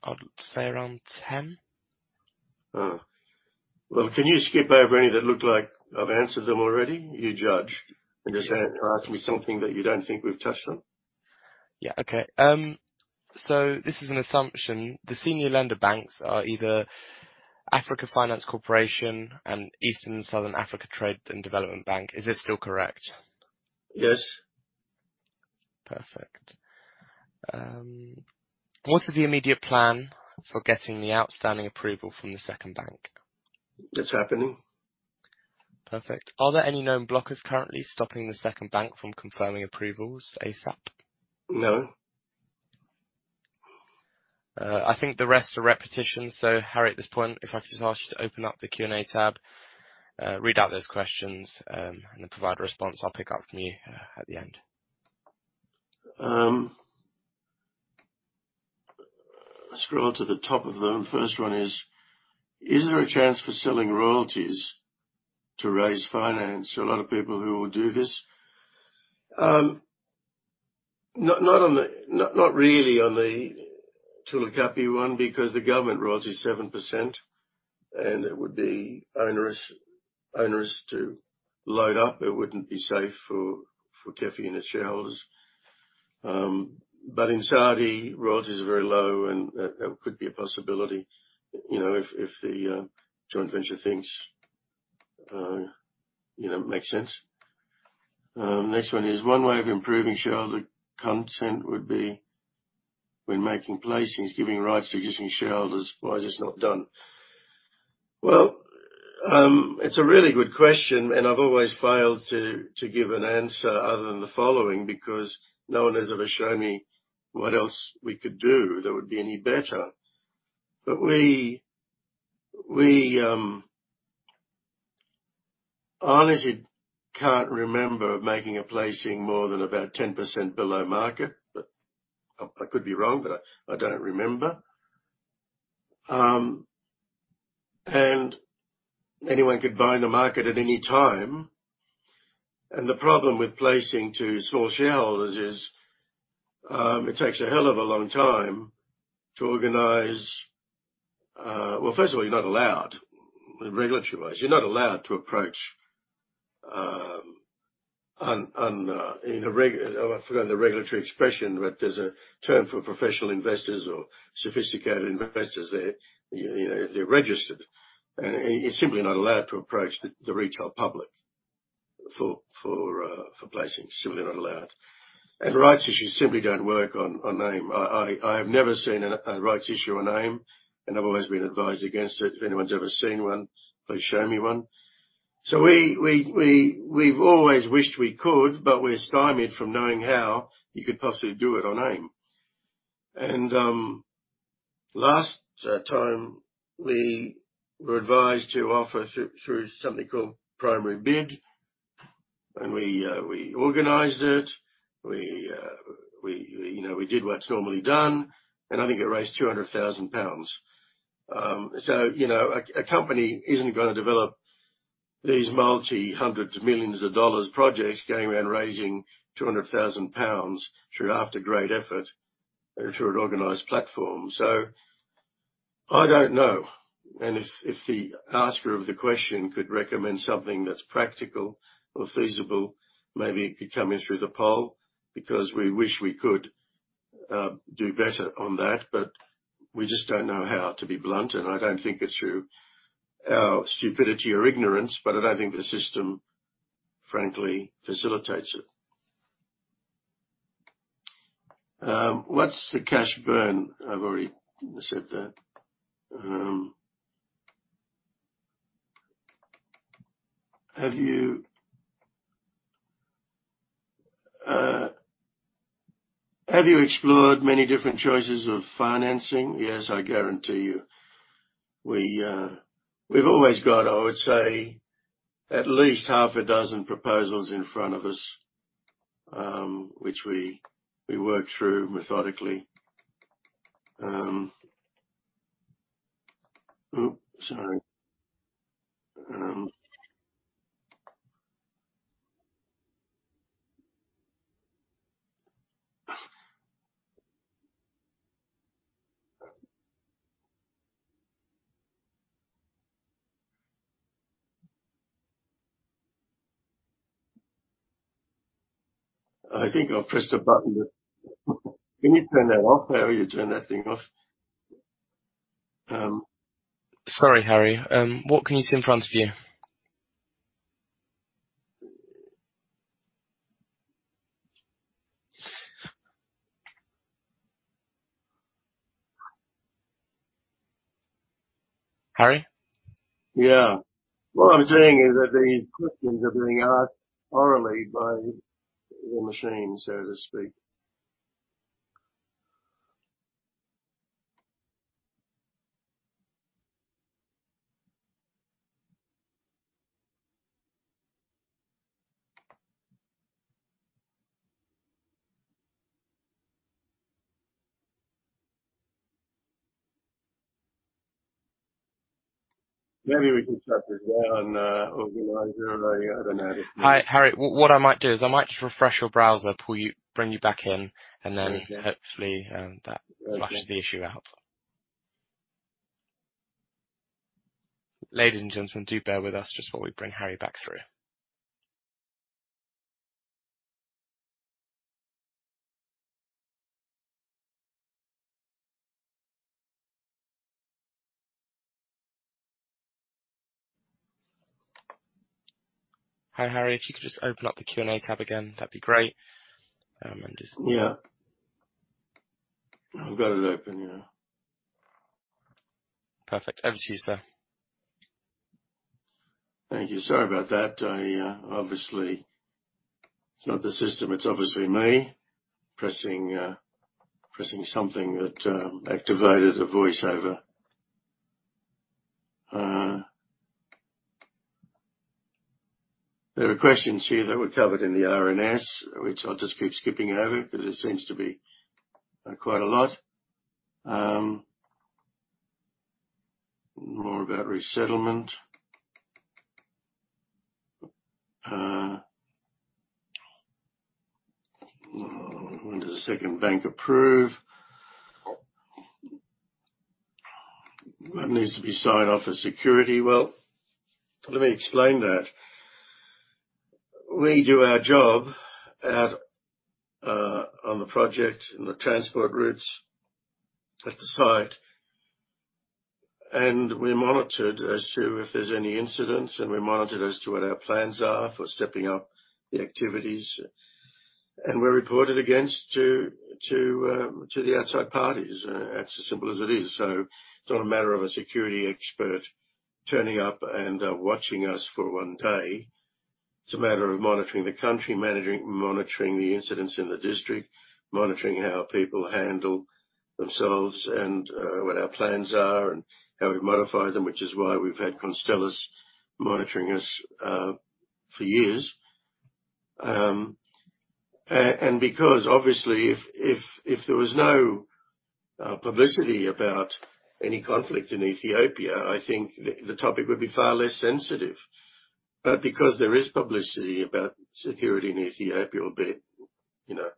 I'd say around 10. Oh. Well, can you skip over any that look like I've answered them already? You judge and just ask me something that you don't think we've touched on. Yeah. Okay. This is an assumption. The senior lender banks are either Africa Finance Corporation and Eastern and Southern African Trade and Development Bank. Is this still correct? Yes. Perfect. What is the immediate plan for getting the outstanding approval from the second bank? It's happening. Perfect. Are there any known blockers currently stopping the second bank from confirming approvals ASAP? No. I think the rest are repetitions. Harry, at this point, if I could just ask you to open up the Q&A tab, read out those questions, and then provide a response. I'll pick up from you, at the end. Scroll to the top of them. First one is there a chance for selling royalties to raise finance? A lot of people who will do this. Not really on the Tulu Kapi one because the government royalty is 7%, and it would be onerous to load up. It wouldn't be safe for KEFI and its shareholders. But in Saudi, royalties are very low and that could be a possibility, you know, if the joint venture thinks, you know, it makes sense. Next one is, one way of improving shareholder sentiment would be when making placings, giving rights to existing shareholders. Why is this not done? Well, it's a really good question, and I've always failed to give an answer other than the following, because no one has ever shown me what else we could do that would be any better. We honestly can't remember making a placing more than about 10% below market. I could be wrong, but I don't remember. Anyone could buy in the market at any time. The problem with placing to small shareholders is it takes a hell of a long time to organize. Well, first of all, you're not allowed. Regulatory wise, you're not allowed to approach. Oh, I've forgotten the regulatory expression, but there's a term for professional investors or sophisticated investors. You know, they're registered. You're simply not allowed to approach the retail public for placing. Simply not allowed. Rights issues simply don't work on AIM. I have never seen a rights issue on AIM, and I've always been advised against it. If anyone's ever seen one, please show me one. We've always wished we could, but we're stymied from knowing how you could possibly do it on AIM. Last time we were advised to offer through something called PrimaryBid, and we, you know, we did what's normally done, and I think it raised 200,000 pounds. You know, a company isn't gonna develop these multi-hundreds of millions of dollars projects going around raising 200,000 pounds through, after great effort, through an organized platform. I don't know. If the asker of the question could recommend something that's practical or feasible, maybe it could come in through the poll, because we wish we could do better on that. We just don't know how, to be blunt, and I don't think it's through our stupidity or ignorance, but I don't think the system frankly facilitates it. What's the cash burn? I've already said that. Have you explored many different choices of financing? Yes. I guarantee you, we've always got, I would say, at least 6 proposals in front of us, which we work through methodically. Oops, sorry. I think I've pressed a button. Can you turn that off? How do you turn that thing off? Sorry, Harry. What can you see in front of you? Harry? Yeah. What I'm saying is that the questions are being asked orally by the machine, so to speak. Maybe we can chat this way on organizer. I don't know how to- Hi, Harry. What I might do is just refresh your browser, pull you, bring you back in, and then. Okay. Hopefully, that flushes the issue out. Ladies and gentlemen, do bear with us just while we bring Harry back through. Hi, Harry. If you could just open up the Q&A tab again, that'd be great. I'm just- Yeah. I've got it open, yeah. Perfect. Over to you, sir. Thank you. Sorry about that. I obviously. It's not the system. It's obviously me pressing something that activated a voiceover. There were questions here that were covered in the RNS, which I'll just keep skipping over because it seems to be quite a lot. More about resettlement. When does the second bank approve? What needs to be signed off as security? Well, let me explain that. We do our job at on the project, in the transport routes at the site, and we're monitored as to if there's any incidents and we're monitored as to what our plans are for stepping up the activities. We're reported against to the outside parties. It's as simple as it is. It's not a matter of a security expert turning up and watching us for one day. It's a matter of monitoring the country, monitoring the incidents in the district, monitoring how people handle themselves and what our plans are and how we modify them, which is why we've had Constellis monitoring us for years. Because obviously if there was no publicity about any conflict in Ethiopia, I think the topic would be far less sensitive. Because there is publicity about security in Ethiopia, albeit you know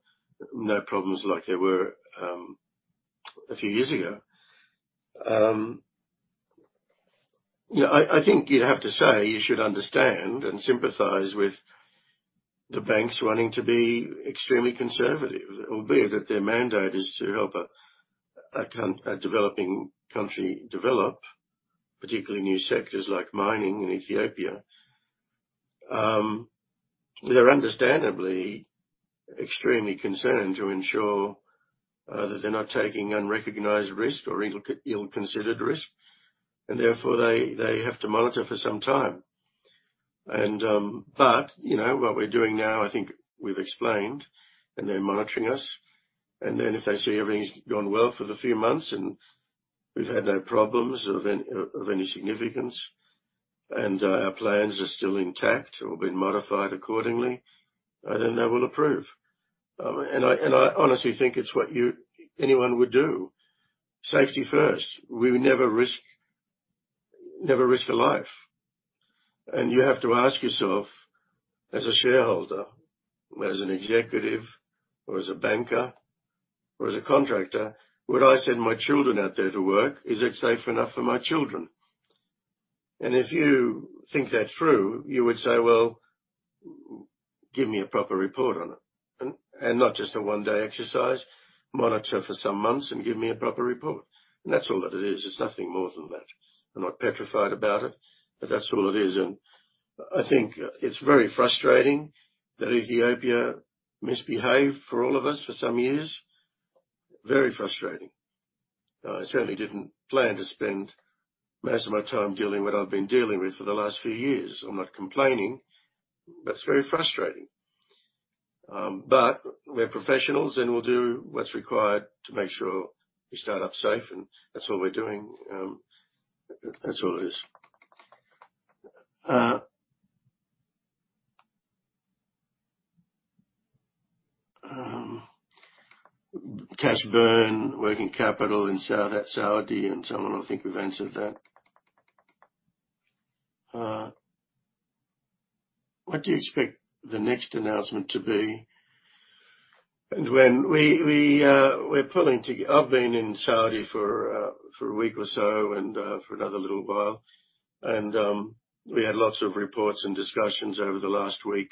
no problems like there were a few years ago. You know, I think you'd have to say you should understand and sympathize with the banks wanting to be extremely conservative. Albeit that their mandate is to help a developing country develop, particularly new sectors like mining in Ethiopia. They're understandably extremely concerned to ensure that they're not taking unrecognized risk or ill-considered risk, and therefore they have to monitor for some time. You know, what we're doing now, I think we've explained, and they're monitoring us. Then if they see everything's gone well for the few months and we've had no problems of any significance, and our plans are still intact or been modified accordingly, then they will approve. I honestly think it's what anyone would do. Safety first. We would never risk a life. You have to ask yourself, as a shareholder, or as an executive, or as a banker, or as a contractor, would I send my children out there to work? Is it safe enough for my children? If you think that through, you would say, "Well, give me a proper report on it. Not just a one-day exercise. Monitor for some months and give me a proper report." That's all that it is. It's nothing more than that. I'm not petrified about it, but that's all it is. I think it's very frustrating that Ethiopia misbehaved for all of us for some years. Very frustrating. I certainly didn't plan to spend most of my time dealing with what I've been dealing with for the last few years. I'm not complaining, but it's very frustrating. We're professionals and we'll do what's required to make sure we start up safe, and that's what we're doing. That's all it is. Cash burn, working capital in Saudi and so on. I think we've answered that. What do you expect the next announcement to be? I've been in Saudi for a week or so and for another little while, and we had lots of reports and discussions over the last week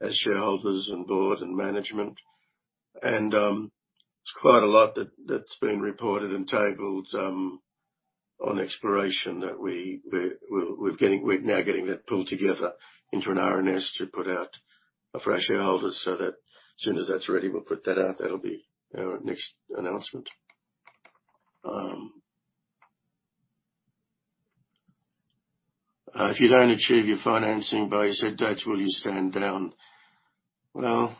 as shareholders and board and management. It's quite a lot that's been reported and tabled on exploration that we're now getting pulled together into an RNS to put out for our shareholders, so that as soon as that's ready, we'll put that out. That'll be our next announcement. If you don't achieve your financing by set dates, will you stand down? Well,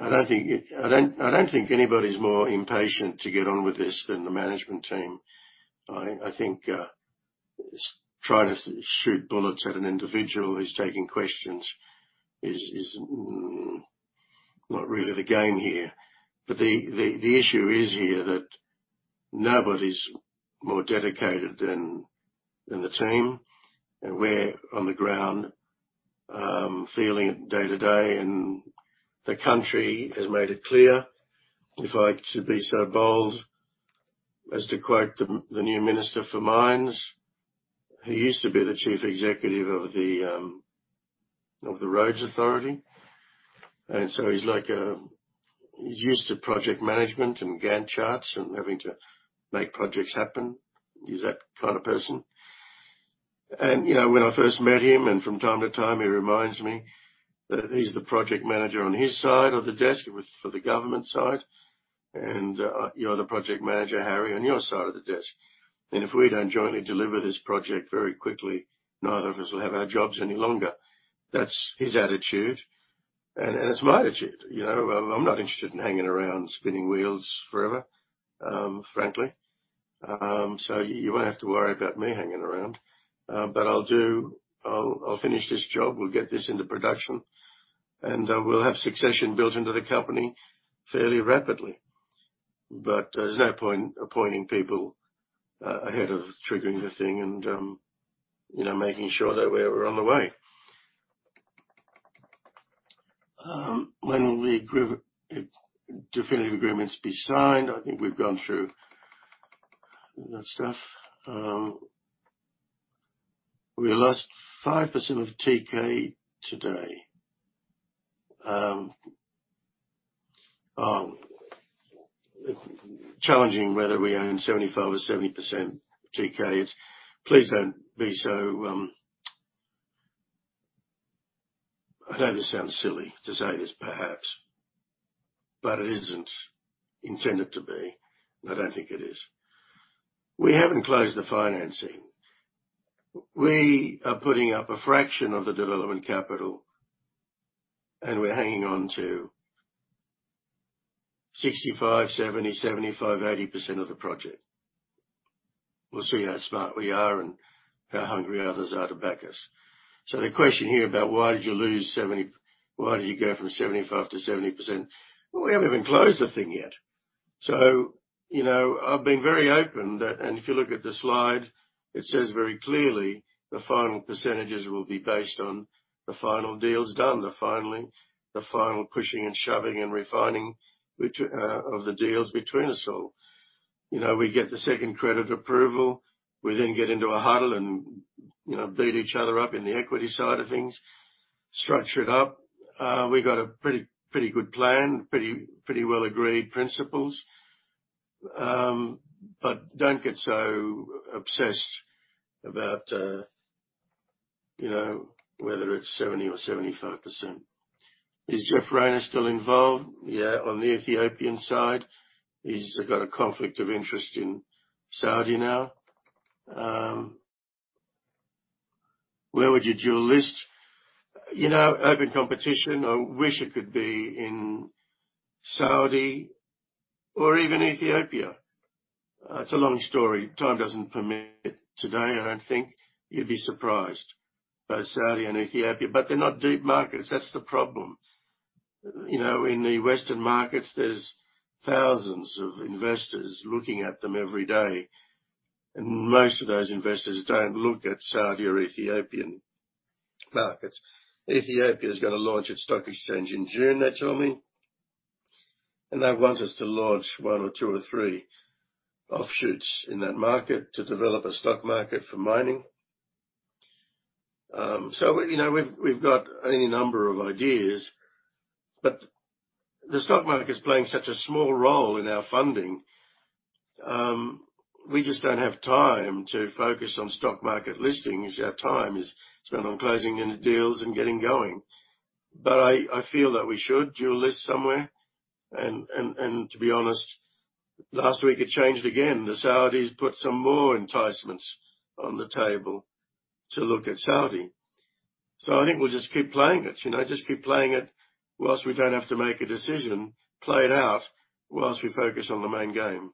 I don't think anybody's more impatient to get on with this than the management team. I think trying to shoot bullets at an individual who's taking questions is not really the game here. The issue is here that nobody's more dedicated than the team. We're on the ground, feeling it day-to-day. The country has made it clear, if I may be so bold, as to quote the new Minister for Mines. He used to be the Chief Executive of the Roads Authority, and so he's like, he's used to project management and Gantt charts and having to make projects happen. He's that kind of person. You know, when I first met him, and from time to time, he reminds me that he's the Project Manager on his side of the desk with for the government side. You're the project manager, Harry, on your side of the desk. If we don't jointly deliver this project very quickly, none of us will have our jobs any longer. That's his attitude, and it's my attitude. You know, I'm not interested in hanging around spinning wheels forever, frankly. You won't have to worry about me hanging around. I'll finish this job. We'll get this into production. We'll have succession built into the company fairly rapidly. There's no point appointing people ahead of triggering the thing and, you know, making sure that we're on the way. When will the definitive agreements be signed? I think we've gone through that stuff. We lost 5% of TK today, challenging whether we own 75% or 70% of TK. Please don't be so. I know this sounds silly to say this perhaps, but it isn't intended to be. I don't think it is. We haven't closed the financing. We are putting up a fraction of the development capital, and we're hanging on to 65%, 70%, 75%, 80% of the project. We'll see how smart we are and how hungry others are to back us. The question here about why did you go from 75%-70%? Well, we haven't even closed the thing yet. You know, I've been very open that. If you look at the slide, it says very clearly the final percentages will be based on the final deals done. The final pushing and shoving and refining which of the deals between us all. You know, we get the second credit approval. We then get into a huddle and, you know, beat each other up in the equity side of things, structure it up. We got a pretty good plan, pretty well-agreed principles. But don't get so obsessed about, you know, whether it's 70% or 75%. Is Jeff Rayner still involved? Yeah. On the Ethiopian side, he's got a conflict of interest in Saudi now. Where would you dual list? You know, open competition, I wish it could be in Saudi or even Ethiopia. It's a long story. Time doesn't permit today, I don't think. You'd be surprised. Both Saudi and Ethiopia, but they're not deep markets. That's the problem. You know, in the Western markets, there's thousands of investors looking at them every day, and most of those investors don't look at Saudi or Ethiopian markets. Ethiopia is gonna launch its stock exchange in June, they told me. They want us to launch one or two or three offshoots in that market to develop a stock market for mining. You know, we've got any number of ideas, but the stock market is playing such a small role in our funding. We just don't have time to focus on stock market listings. Our time is spent on closing any deals and getting going. I feel that we should dual list somewhere. To be honest, last week it changed again. The Saudis put some more enticements on the table to look at Saudi. I think we'll just keep playing it, you know, just keep playing it whilst we don't have to make a decision. Play it out whilst we focus on the main game.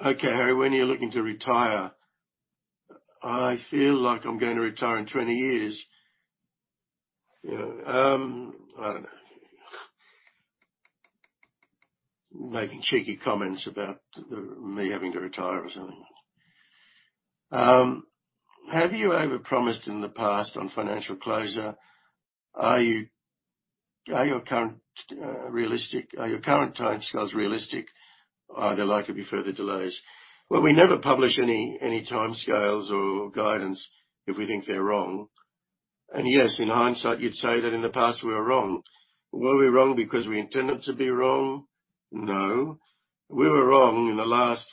Okay, Harry, when are you looking to retire? I feel like I'm gonna retire in 20 years. You know, I don't know. Making cheeky comments about the me having to retire or something. Have you overpromised in the past on financial closure? Are your current timescales realistic? Are there likely to be further delays? Well, we never publish any timescales or guidance if we think they're wrong. Yes, in hindsight, you'd say that in the past we were wrong. Were we wrong because we intended to be wrong? No. We were wrong in the last.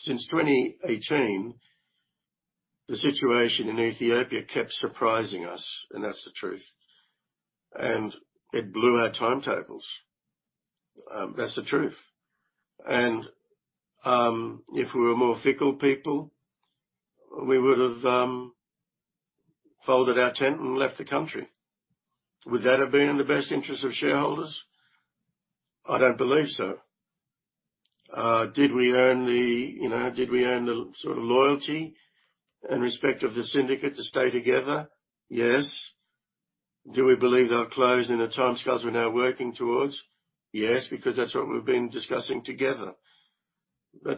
Since 2018, the situation in Ethiopia kept surprising us, and that's the truth. It blew our timetables. That's the truth. If we were more fickle people, we would've folded our tent and left the country. Would that have been in the best interest of shareholders? I don't believe so. Did we earn the sort of loyalty and respect of the syndicate to stay together? Yes. Do we believe they'll close in the timescales we're now working towards? Yes, because that's what we've been discussing together.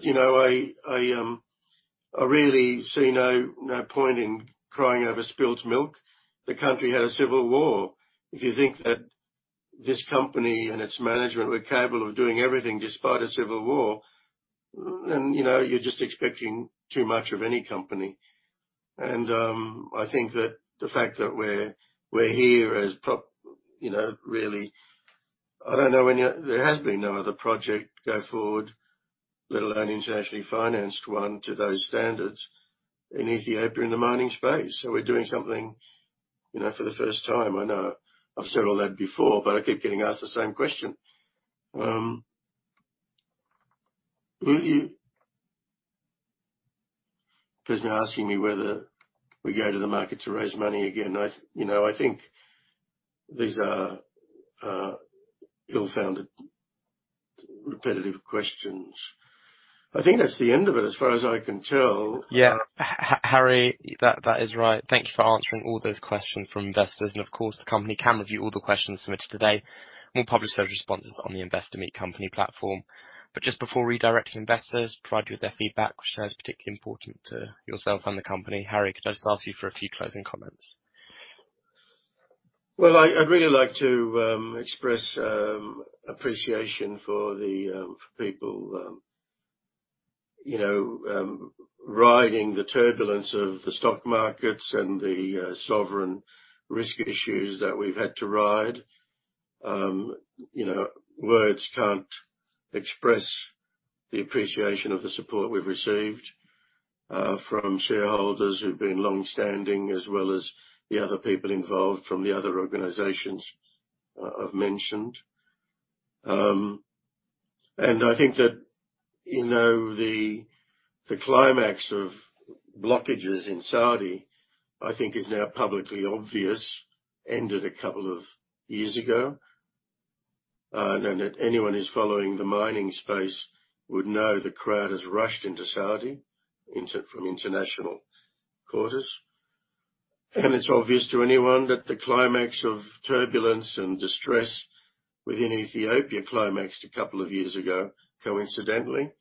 You know, I really see no point in crying over spilled milk. The country had a civil war. If you think that this company and its management were capable of doing everything despite a civil war, then, you know, you're just expecting too much of any company. I think that the fact that we're here as proof, you know, really. I don't know any other. There has been no other project go forward, let alone internationally financed one to those standards in Ethiopia in the mining space. We're doing something, you know, for the first time. I know I've said all that before, but I keep getting asked the same question. Because you're asking me whether we go to the market to raise money again. You know, I think these are ill-founded, repetitive questions. I think that's the end of it as far as I can tell. Yeah. Harry, that is right. Thank you for answering all those questions from investors. Of course, the company can review all the questions submitted today and we'll publish those responses on the Investor Meet Company platform. Just before redirecting investors provide you with their feedback, which I know is particularly important to yourself and the company, Harry, could I just ask you for a few closing comments? Well, I'd really like to express appreciation for people, you know, riding the turbulence of the stock markets and the sovereign risk issues that we've had to ride. You know, words can't express the appreciation of the support we've received from shareholders who've been long-standing, as well as the other people involved from the other organizations I've mentioned. I think that, you know, the climax of blockages in Saudi is now publicly obvious, ended a couple of years ago. Anyone who's following the mining space would know the crowd has rushed into Saudi from international quarters. It's obvious to anyone that the climax of turbulence and distress within Ethiopia climaxed a couple of years ago, coincidentally.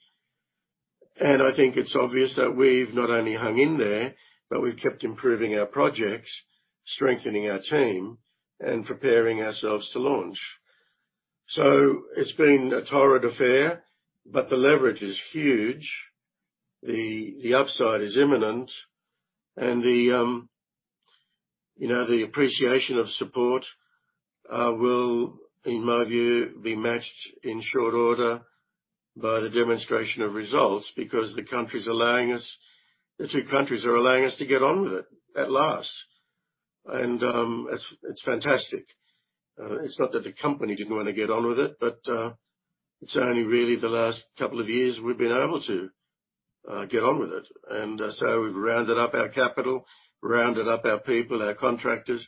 I think it's obvious that we've not only hung in there, but we've kept improving our projects, strengthening our team and preparing ourselves to launch. It's been a torrid affair, but the leverage is huge. The upside is imminent and you know, the appreciation of support will, in my view, be matched in short order by the demonstration of results because the two countries are allowing us to get on with it at last. It's fantastic. It's not that the company didn't wanna get on with it, but it's only really the last couple of years we've been able to get on with it. We've rounded up our capital, rounded up our people, our contractors,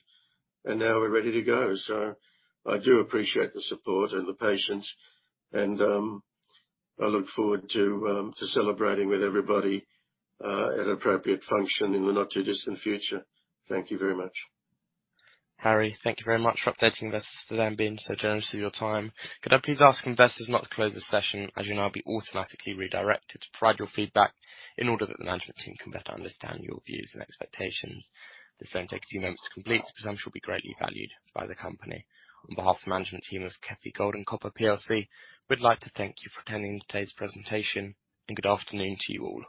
and now we're ready to go. I do appreciate the support and the patience, and I look forward to celebrating with everybody at appropriate function in the not-too-distant future. Thank you very much. Harry, thank you very much for updating us today and being so generous with your time. Could I please ask investors not to close this session, as you'll now be automatically redirected to provide your feedback in order that the management team can better understand your views and expectations. This won't take a few moments to complete. Your participation will be greatly valued by the company. On behalf of the management team of KEFI Gold and Copper plc, we'd like to thank you for attending today's presentation and good afternoon to you all.